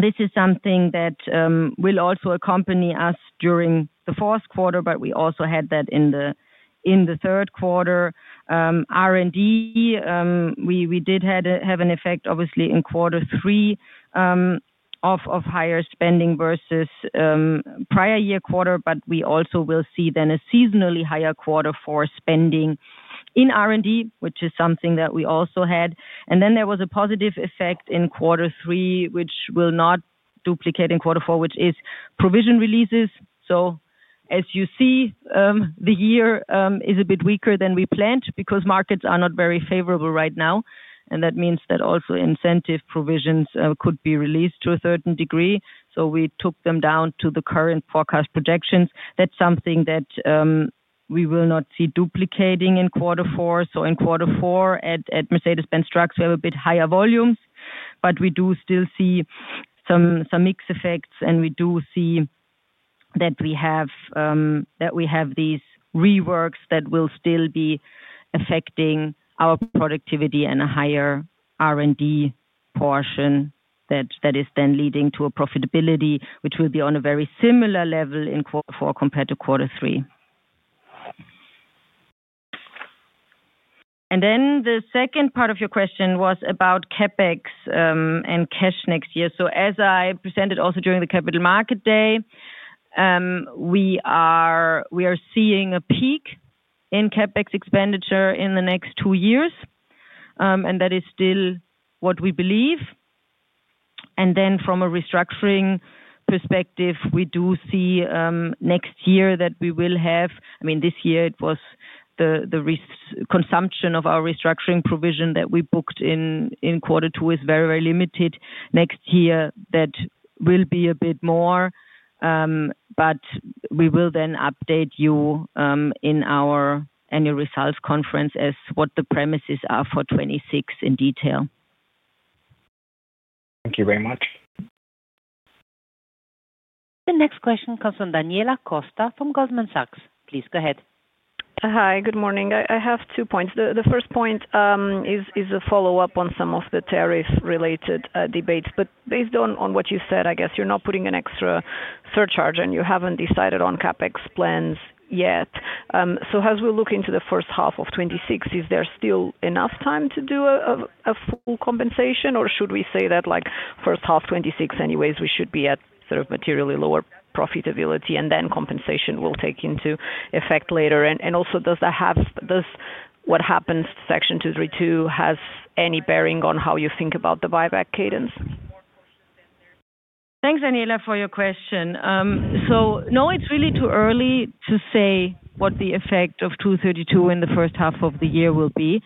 This is something that will also accompany us during the fourth quarter, but we also had that in the third quarter. R&D, we did have an effect, obviously, in quarter three of higher spending versus prior year quarter, but we also will see then a seasonally higher quarter for spending in R&D, which is something that we also had. There was a positive effect in quarter three, which will not duplicate in quarter four, which is provision releases. As you see, the year is a bit weaker than we planned because markets are not very favorable right now. That means that also incentive provisions could be released to a certain degree. We took them down to the current forecast projections. That is something that we will not see duplicating in quarter four. In quarter four at Mercedes-Benz Trucks, we have a bit higher volumes, but we do still see some mixed effects. We do see that we have these reworks that will still be affecting our productivity and a higher R&D portion that is then leading to a profitability, which will be on a very similar level in quarter four compared to quarter three. The second part of your question was about CapEx and cash next year. As I presented also during the Capital Market Day. We are seeing a peak in CapEx expenditure in the next two years, and that is still what we believe. From a restructuring perspective, we do see next year that we will have— I mean, this year, it was the consumption of our restructuring provision that we booked in quarter two is very, very limited. Next year, that will be a bit more. We will then update you in our annual results conference as what the premises are for 2026 in detail. Thank you very much. The next question comes from Daniela Costa from Goldman Sachs. Please go ahead. Hi, good morning. I have two points. The first point is a follow-up on some of the tariff-related debates. Based on what you said, I guess you are not putting an extra surcharge, and you have not decided on CapEx plans yet. As we look into the first half of 2026, is there still enough time to do a full compensation, or should we say that first half 2026 anyways, we should be at sort of materially lower profitability, and then compensation will take into effect later? Also, does what happens to Section 232 have any bearing on how you think about the buyback cadence? Thanks, Daniela, for your question. No, it's really too early to say what the effect of 232 in the first half of the year will be.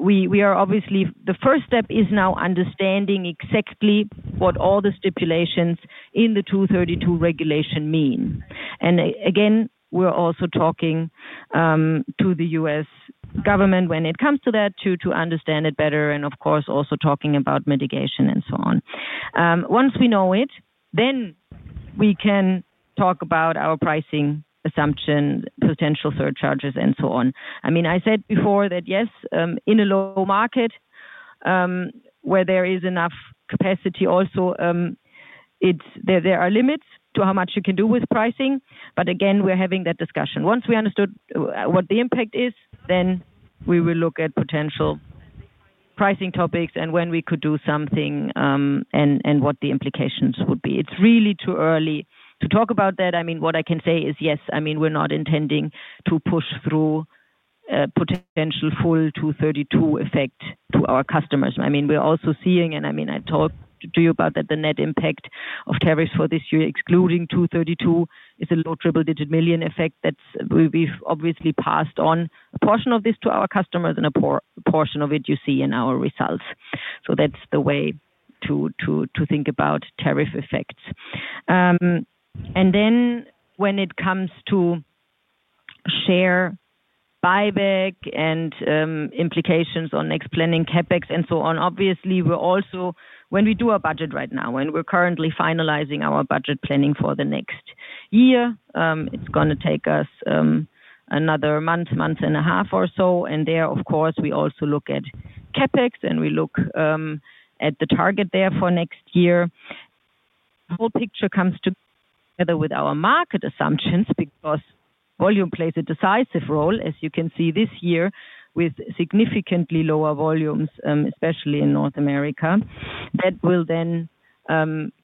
We are obviously—the first step is now understanding exactly what all the stipulations in the 232 regulation mean. Again, we're also talking to the U.S. government when it comes to that to understand it better and, of course, also talking about mitigation and so on. Once we know it, then we can talk about our pricing assumption, potential surcharges, and so on. I mean, I said before that, yes, in a low market where there is enough capacity also, there are limits to how much you can do with pricing. I mean, we're having that discussion. Once we understood what the impact is, then we will look at potential pricing topics and when we could do something, and what the implications would be. It's really too early to talk about that. I mean, what I can say is, yes, I mean, we're not intending to push through potential full 232 effect to our customers. I mean, we're also seeing—I mean, I talked to you about that the net impact of tariffs for this year, excluding 232, is a low triple-digit million effect that we've obviously passed on a portion of this to our customers and a portion of it you see in our results. That is the way to think about tariff effects. When it comes to share buyback and implications on next planning, CapEx, and so on, obviously, when we do our budget right now, when we're currently finalizing our budget planning for the next year, it's going to take us another month, month and a half or so. There, of course, we also look at CapEx, and we look at the target there for next year. The whole picture comes together with our market assumptions because volume plays a decisive role, as you can see this year, with significantly lower volumes, especially in North America. That will then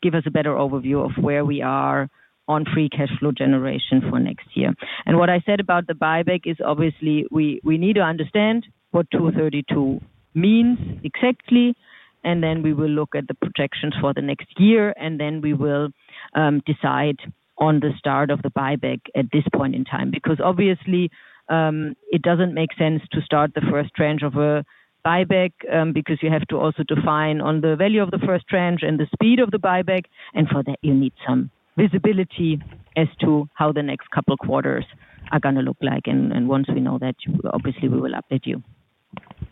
give us a better overview of where we are on free cash flow generation for next year. What I said about the buyback is, obviously, we need to understand what 232 means exactly, and then we will look at the projections for the next year, and then we will decide on the start of the buyback at this point in time. Because, obviously, it does not make sense to start the first tranche of a buyback because you have to also define the value of the first tranche and the speed of the buyback. For that, you need some visibility as to how the next couple of quarters are going to look like. Once we know that, obviously, we will update you.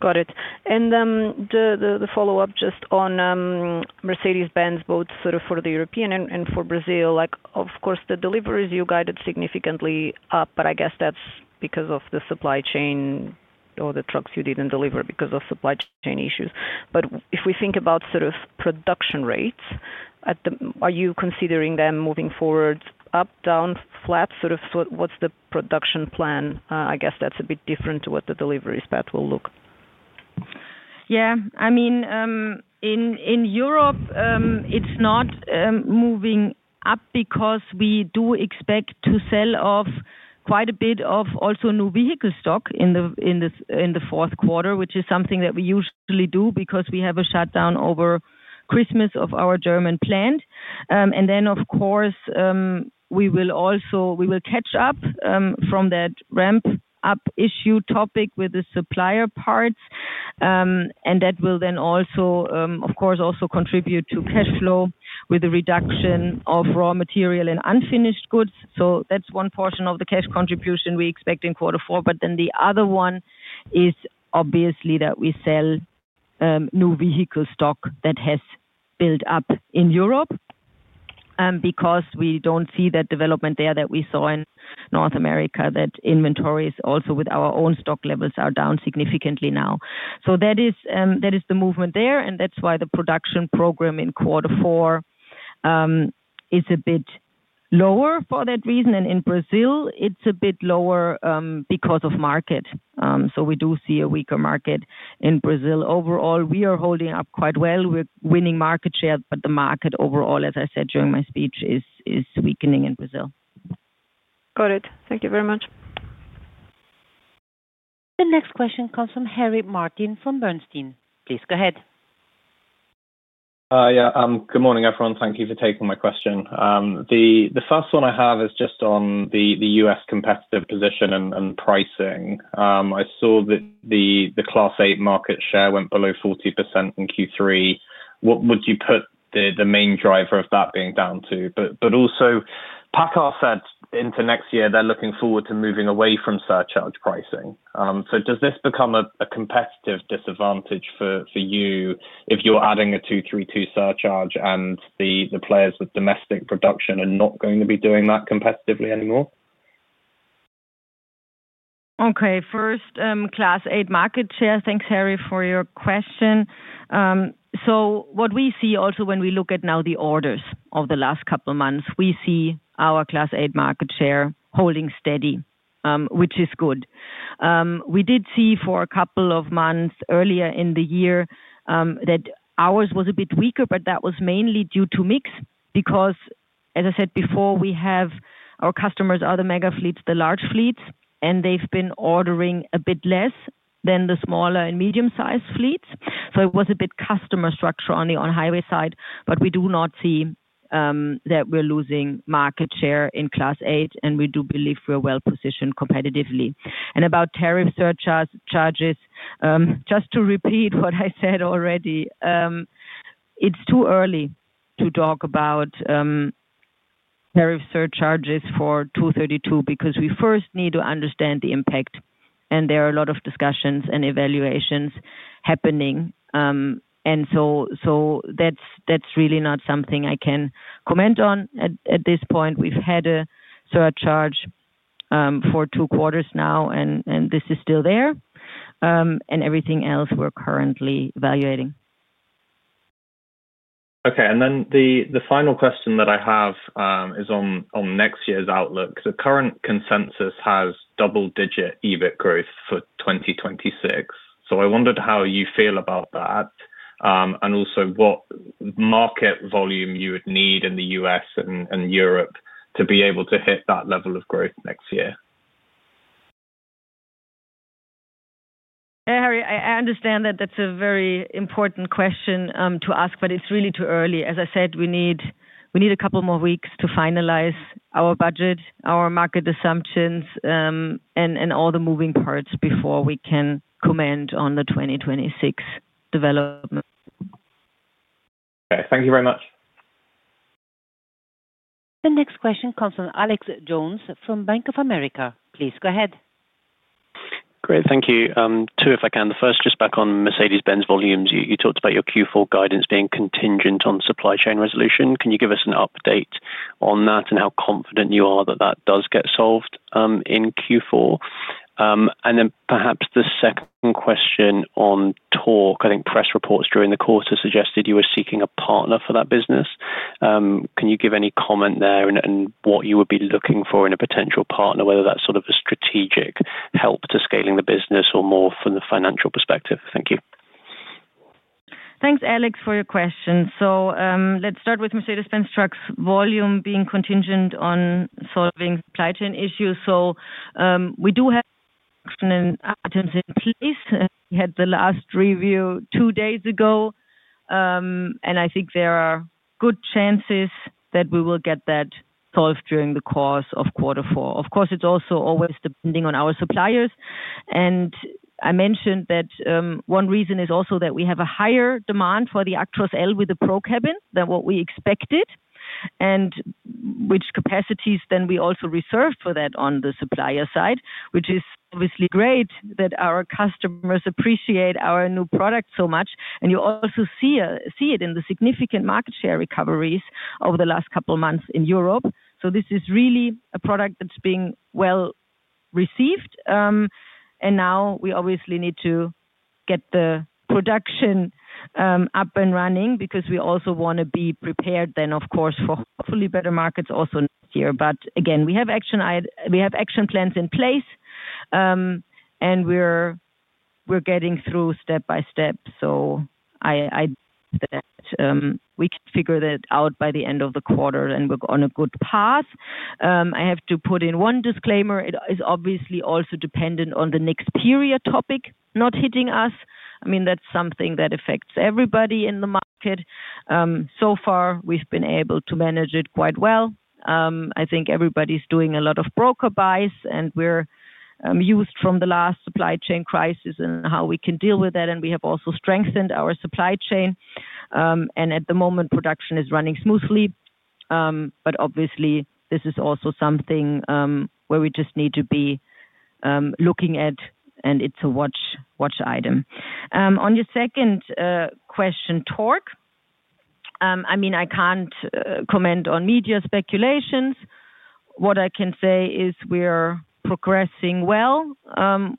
Got it. The follow-up just on Mercedes-Benz, both sort of for the European and for Brazil, of course, the deliveries you guided significantly up, but I guess that is because of the supply chain or the trucks you did not deliver because of supply chain issues. If we think about sort of production rates, are you considering them moving forward up, down, flat? What is the production plan? I guess that is a bit different to what the delivery spat will look. Yeah. I mean, in Europe, it is not moving up because we do expect to sell off quite a bit of also new vehicle stock in the fourth quarter, which is something that we usually do because we have a shutdown over Christmas of our German plant. Of course, we will catch up from that ramp-up issue topic with the supplier parts. That will then also, of course, contribute to cash flow with the reduction of raw material and unfinished goods. That is one portion of the cash contribution we expect in quarter four. The other one is obviously that we sell new vehicle stock that has built up in Europe. We do not see that development there that we saw in North America, that inventories also with our own stock levels are down significantly now. That is the movement there. That is why the production program in quarter four is a bit lower for that reason. In Brazil, it is a bit lower because of market. We do see a weaker market in Brazil. Overall, we are holding up quite well. We're winning market share, but the market overall, as I said during my speech, is weakening in Brazil. Got it. Thank you very much. The next question comes from Harry Martin from Bernstein. Please go ahead. Yeah. Good morning, everyone. Thank you for taking my question. The first one I have is just on the U.S. competitive position and pricing. I saw that the Class 8 market share went below 40% in Q3. What would you put the main driver of that being down to? Also, PACCAR said into next year they're looking forward to moving away from surcharge pricing. Does this become a competitive disadvantage for you if you're adding a 232 surcharge and the players with domestic production are not going to be doing that competitively anymore? Okay. First, Class 8 market share. Thanks, Harry, for your question. What we see also when we look at now the orders of the last couple of months, we see our Class 8 market share holding steady, which is good. We did see for a couple of months earlier in the year that ours was a bit weaker, but that was mainly due to mix because, as I said before, our customers are the mega fleets, the large fleets, and they've been ordering a bit less than the smaller and medium-sized fleets. It was a bit customer structure only on highway side, but we do not see that we're losing market share in Class 8, and we do believe we're well-positioned competitively. About tariff surcharges, just to repeat what I said already. It's too early to talk about tariff surcharges for 232 because we first need to understand the impact, and there are a lot of discussions and evaluations happening. That is really not something I can comment on at this point. We've had a surcharge for two quarters now, and this is still there. Everything else we're currently evaluating. Okay. The final question that I have is on next year's outlook. The current consensus has double-digit EBIT growth for 2026. I wondered how you feel about that. Also, what market volume you would need in the U.S. and Europe to be able to hit that level of growth next year. Hey, Harry, I understand that is a very important question to ask, but it is really too early. As I said, we need a couple more weeks to finalize our budget, our market assumptions. All the moving parts before we can comment on the 2026 development. Okay. Thank you very much. The next question comes from Alex Jones from Bank of America. Please go ahead. Great. Thank you. Two, if I can. The first, just back on Mercedes-Benz volumes. You talked about your Q4 guidance being contingent on supply chain resolution. Can you give us an update on that and how confident you are that that does get solved in Q4? And then perhaps the second question on talk. I think press reports during the quarter suggested you were seeking a partner for that business. Can you give any comment there and what you would be looking for in a potential partner, whether that's sort of a strategic help to scaling the business or more from the financial perspective? Thank you. Thanks, Alex, for your question. Let's start with Mercedes-Benz Trucks volume being contingent on solving supply chain issues. We do have items in place. We had the last review two days ago. I think there are good chances that we will get that solved during the course of quarter four. Of course, it is also always depending on our suppliers. I mentioned that one reason is also that we have a higher demand for the Actros L with the ProCabin than what we expected, and which capacities then we also reserved for that on the supplier side, which is obviously great that our customers appreciate our new product so much. You also see it in the significant market share recoveries over the last couple of months in Europe. This is really a product that is being well received. Now we obviously need to get the production up and running because we also want to be prepared then, of course, for hopefully better markets also next year. Again, we have action plans in place. We're getting through step by step. We can figure that out by the end of the quarter, and we're on a good path. I have to put in one disclaimer. It is obviously also dependent on the next period topic not hitting us. I mean, that's something that affects everybody in the market. So far, we've been able to manage it quite well. I think everybody's doing a lot of broker buys, and we're used from the last supply chain crisis and how we can deal with that. We have also strengthened our supply chain. At the moment, production is running smoothly. Obviously, this is also something where we just need to be. Looking at, and it's a watch item. On your second question, Torque. I mean, I can't comment on media speculations. What I can say is we're progressing well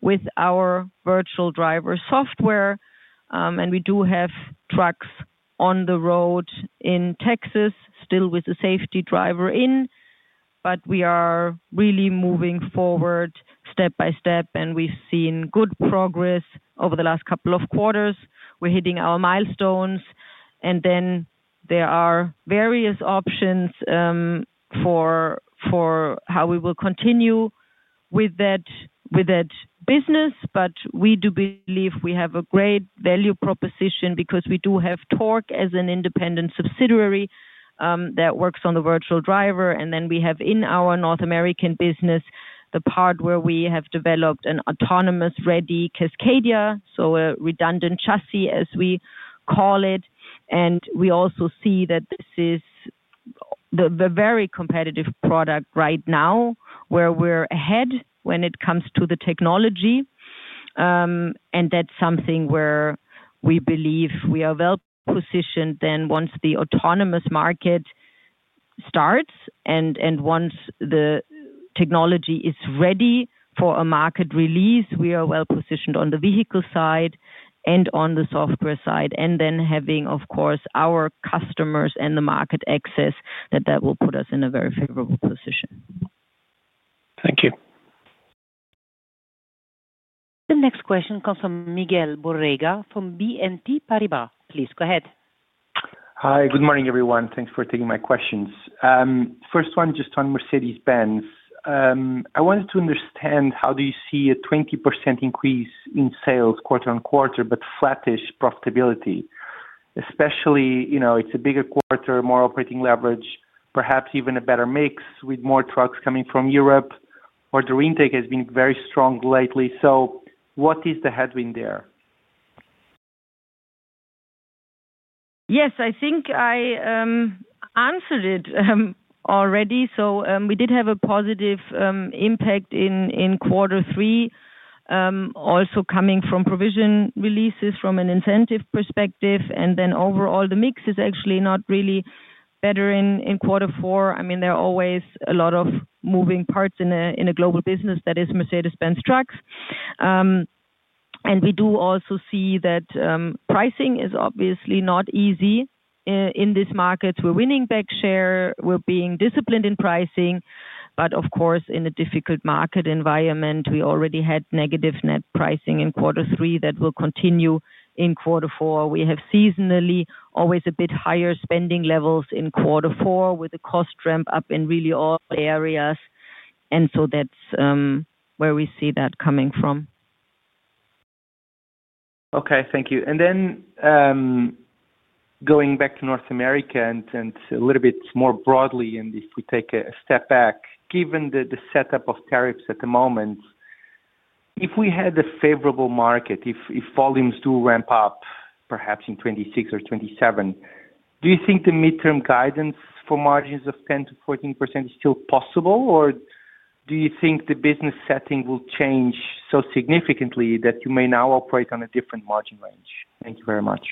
with our virtual driver software. And we do have trucks on the road in Texas, still with the safety driver in. We are really moving forward step by step, and we've seen good progress over the last couple of quarters. We're hitting our milestones. There are various options for how we will continue with that business. We do believe we have a great value proposition because we do have Torque as an independent subsidiary that works on the virtual driver. We have in our North American business the part where we have developed an autonomous-ready Cascadia, so a redundant chassis, as we call it. We also see that this is a very competitive product right now where we're ahead when it comes to the technology. That's something where we believe we are well positioned once the autonomous market starts and once the technology is ready for a market release. We are well positioned on the vehicle side and on the software side. Having, of course, our customers and the market access, that will put us in a very favorable position. Thank you. The next question comes from Miguel Borrega from BNP Paribas. Please go ahead. Hi. Good morning, everyone. Thanks for taking my questions. First one, just on Mercedes-Benz. I wanted to understand how do you see a 20% increase in sales quarter on quarter, but flattish profitability? Especially, it's a bigger quarter, more operating leverage, perhaps even a better mix with more trucks coming from Europe. Order intake has been very strong lately. What is the headwind there? Yes, I think I answered it already. We did have a positive impact in quarter three, also coming from provision releases from an incentive perspective. Overall, the mix is actually not really better in quarter four. I mean, there are always a lot of moving parts in a global business that is Mercedes-Benz Trucks. We do also see that pricing is obviously not easy. In this market, we are winning back share. We are being disciplined in pricing. Of course, in a difficult market environment, we already had negative net pricing in quarter three that will continue in quarter four. We have seasonally always a bit higher spending levels in quarter four with a cost ramp up in really all areas. That is where we see that coming from. Okay. Thank you. And then going back to North America and a little bit more broadly, and if we take a step back, given the setup of tariffs at the moment, if we had a favorable market, if volumes do ramp up perhaps in 2026 or 2027, do you think the midterm guidance for margins of 10-14% is still possible, or do you think the business setting will change so significantly that you may now operate on a different margin range? Thank you very much.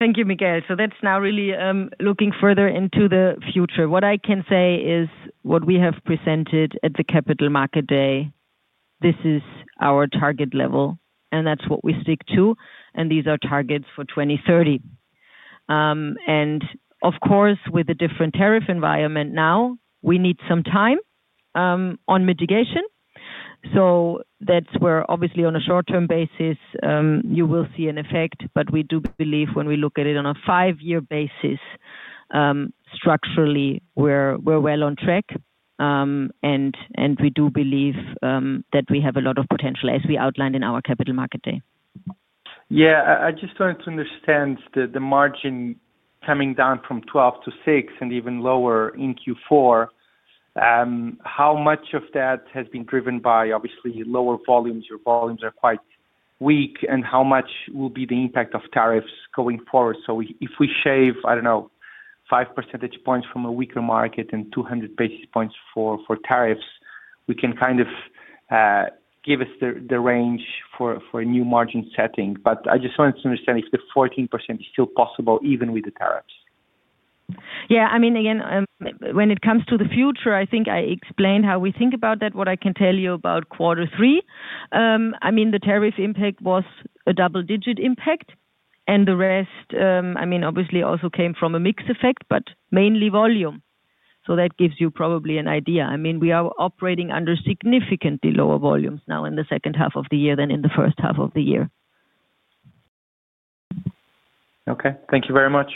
Thank you, Miguel. That is now really looking further into the future. What I can say is what we have presented at the Capital Market Day, this is our target level, and that is what we stick to. These are targets for 2030. Of course, with a different tariff environment now, we need some time on mitigation. That is where obviously on a short-term basis, you will see an effect. We do believe when we look at it on a five-year basis, structurally, we are well on track. We do believe that we have a lot of potential, as we outlined in our Capital Market Day. Yeah. I just wanted to understand the margin coming down from 12% to 6% and even lower in Q4. How much of that has been driven by obviously lower volumes? Your volumes are quite weak. How much will be the impact of tariffs going forward? If we shave, I do not know, 5 percentage points from a weaker market and 200 basis points for tariffs, we can kind of give us the range for a new margin setting. I just wanted to understand if the 14% is still possible even with the tariffs. Yeah. I mean, again, when it comes to the future, I think I explained how we think about that. What I can tell you about quarter three, I mean, the tariff impact was a double-digit impact. The rest, I mean, obviously also came from a mixed effect, but mainly volume. That gives you probably an idea. I mean, we are operating under significantly lower volumes now in the second half of the year than in the first half of the year. Okay. Thank you very much.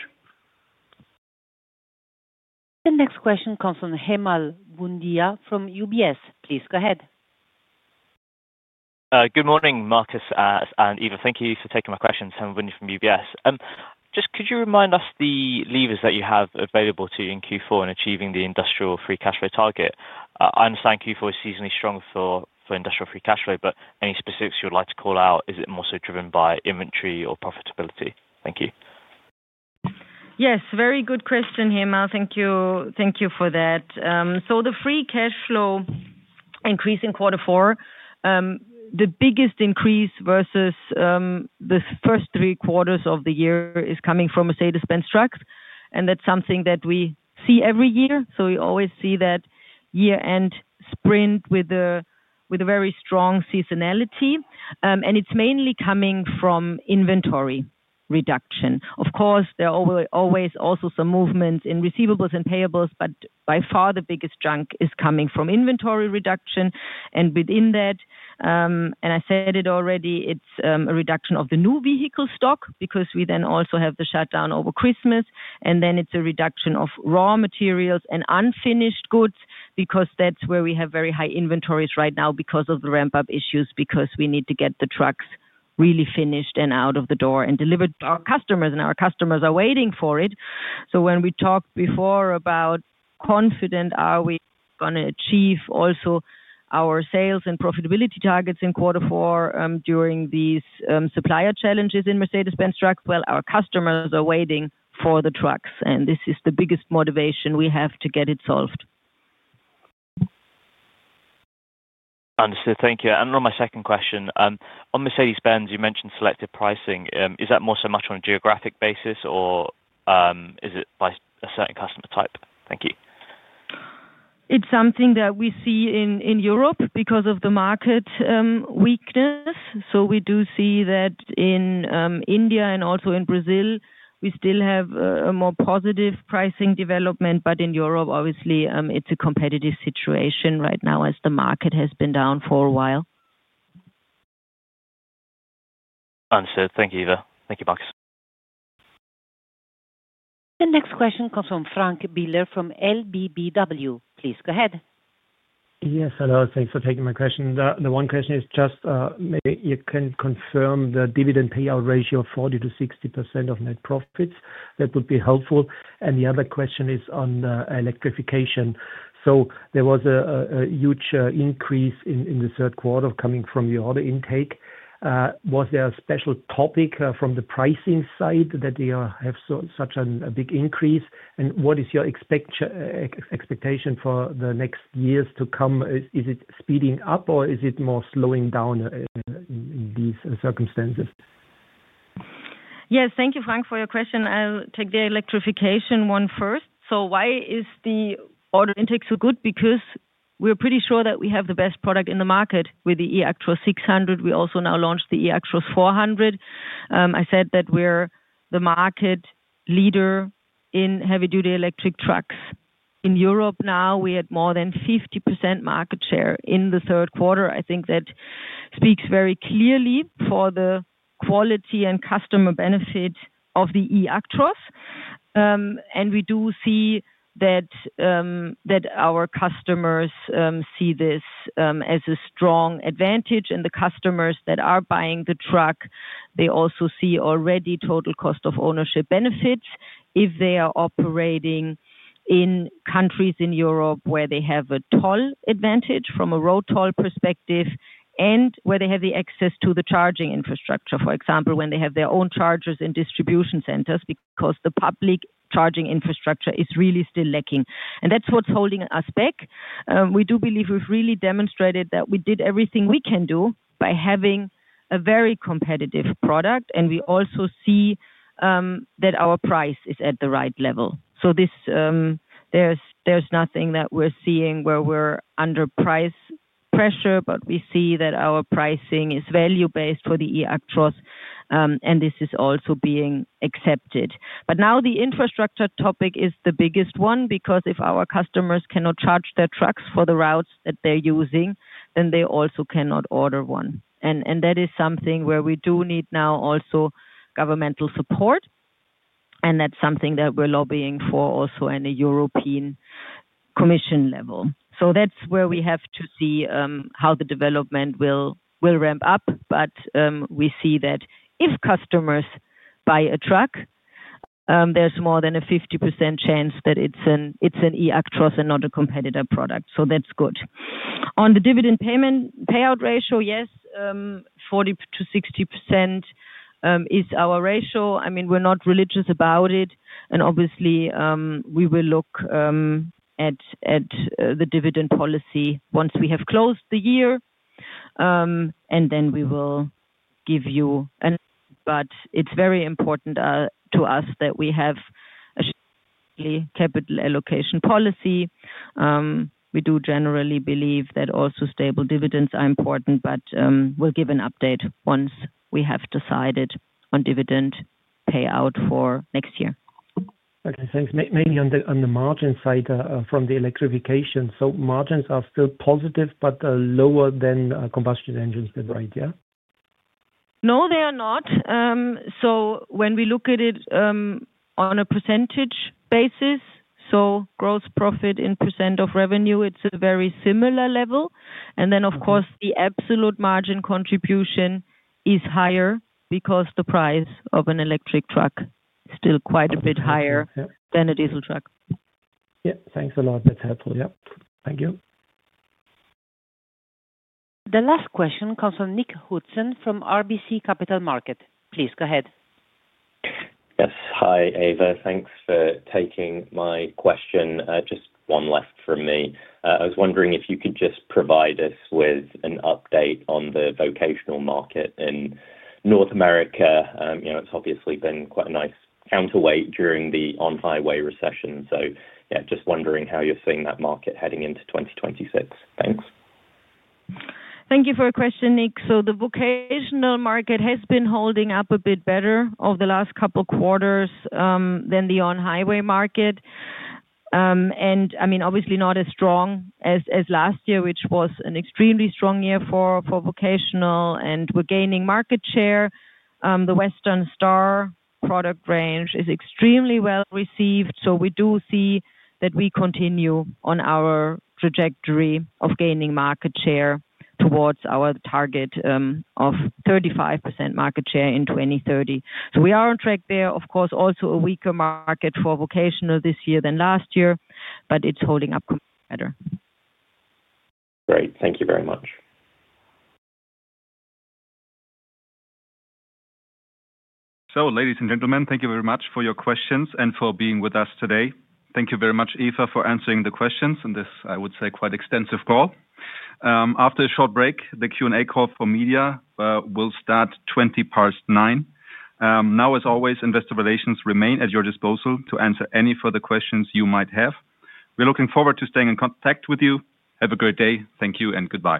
The next question comes from Hemal Bhundia from UBS. Please go ahead. Good morning, Marcus and Eva. Thank you for taking my questions. Hemal Bhundia from UBS. Just could you remind us the levers that you have available to you in Q4 in achieving the industrial free cash flow target? I understand Q4 is seasonally strong for industrial free cash flow, but any specifics you would like to call out? Is it more so driven by inventory or profitability? Thank you. Yes. Very good question, Hemal. Thank you for that. The free cash flow increase in quarter four, the biggest increase versus the first three quarters of the year, is coming from Mercedes-Benz Trucks. That is something that we see every year. We always see that year-end sprint with a very strong seasonality. It is mainly coming from inventory reduction. Of course, there are always also some movements in receivables and payables, but by far the biggest chunk is coming from inventory reduction. Within that, and I said it already, it is a reduction of the new vehicle stock because we then also have the shutdown over Christmas. It is a reduction of raw materials and unfinished goods because that is where we have very high inventories right now because of the ramp-up issues, because we need to get the trucks really finished and out of the door and delivered to our customers. Our customers are waiting for it. When we talked before about how confident are we going to achieve also our sales and profitability targets in quarter four during these supplier challenges in Mercedes-Benz Trucks, our customers are waiting for the trucks. This is the biggest motivation we have to get it solved. Understood. Thank you. On my second question, on Mercedes-Benz, you mentioned selective pricing. Is that more so much on a geographic basis, or is it by a certain customer type? Thank you. It is something that we see in Europe because of the market weakness. We do see that in India and also in Brazil, we still have a more positive pricing development. In Europe, obviously, it is a competitive situation right now as the market has been down for a while. Understood. Thank you, Eva. Thank you, Marcus. The next question comes from Frank Biller from LBBW. Please go ahead. Yes. Hello. Thanks for taking my question. The one question is just maybe you can confirm the dividend payout ratio of 40-60% of net profits. That would be helpful. The other question is on the electrification. There was a huge increase in the third quarter coming from your order intake. Was there a special topic from the pricing side that you have such a big increase? What is your expectation for the next years to come? Is it speeding up, or is it more slowing down in these circumstances? Yes. Thank you, Frank, for your question. I'll take the electrification one first. Why is the order intake so good? Because we're pretty sure that we have the best product in the market with the eActros 600. We also now launched the eActros 400. I said that we're the market leader in heavy-duty electric trucks. In Europe now, we had more than 50% market share in the third quarter. I think that speaks very clearly for the quality and customer benefit of the eActros. We do see that our customers see this as a strong advantage. The customers that are buying the truck also see already total cost of ownership benefits if they are operating in countries in Europe where they have a toll advantage from a road toll perspective and where they have access to the charging infrastructure, for example, when they have their own chargers and distribution centers because the public charging infrastructure is really still lacking. That is what is holding us back. We do believe we have really demonstrated that we did everything we can do by having a very competitive product. We also see that our price is at the right level. There is nothing that we are seeing where we are under price pressure, but we see that our pricing is value-based for the eActros. This is also being accepted. Now the infrastructure topic is the biggest one because if our customers cannot charge their trucks for the routes that they're using, then they also cannot order one. That is something where we do need now also governmental support. That is something that we're lobbying for also at a European Commission level. That is where we have to see how the development will ramp up. We see that if customers buy a truck, there's more than a 50% chance that it's an eActros and not a competitor product. That's good. On the dividend payout ratio, yes, 40-60% is our ratio. I mean, we're not religious about it. Obviously, we will look at the dividend policy once we have closed the year. Then we will give you. It is very important to us that we have a strong capital allocation policy. We do generally believe that also stable dividends are important, but we'll give an update once we have decided on dividend payout for next year. Okay. Thanks. Mainly on the margin side from the electrification. So margins are still positive, but lower than combustion engines then, right? Yeah? No, they are not. So when we look at it. On a percentage basis, so gross profit in % of revenue, it's a very similar level. And then, of course, the absolute margin contribution is higher because the price of an electric truck is still quite a bit higher than a diesel truck. Yeah. Thanks a lot. That's helpful. Yeah. Thank you. The last question comes from Nick Hudson from RBC Capital Markets. Please go ahead. Yes. Hi, Eva. Thanks for taking my question. Just one left from me. I was wondering if you could just provide us with an update on the vocational market in North America. It's obviously been quite a nice counterweight during the on-highway recession. Just wondering how you're seeing that market heading into 2026. Thanks. Thank you for your question, Nick. The vocational market has been holding up a bit better over the last couple of quarters than the on-highway market. I mean, obviously not as strong as last year, which was an extremely strong year for vocational. We're gaining market share. The Western Star product range is extremely well received. We do see that we continue on our trajectory of gaining market share towards our target of 35% market share in 2030. We are on track there. Of course, also a weaker market for vocational this year than last year, but it's holding up better. Great. Thank you very much. So, ladies and gentlemen, thank you very much for your questions and for being with us today. Thank you very much, Eva, for answering the questions in this, I would say, quite extensive call. After a short break, the Q&A call for media will start 20 past 9:00 A.M. Now, as always, investor relations remain at your disposal to answer any further questions you might have. We're looking forward to staying in contact with you. Have a great day. Thank you and goodbye.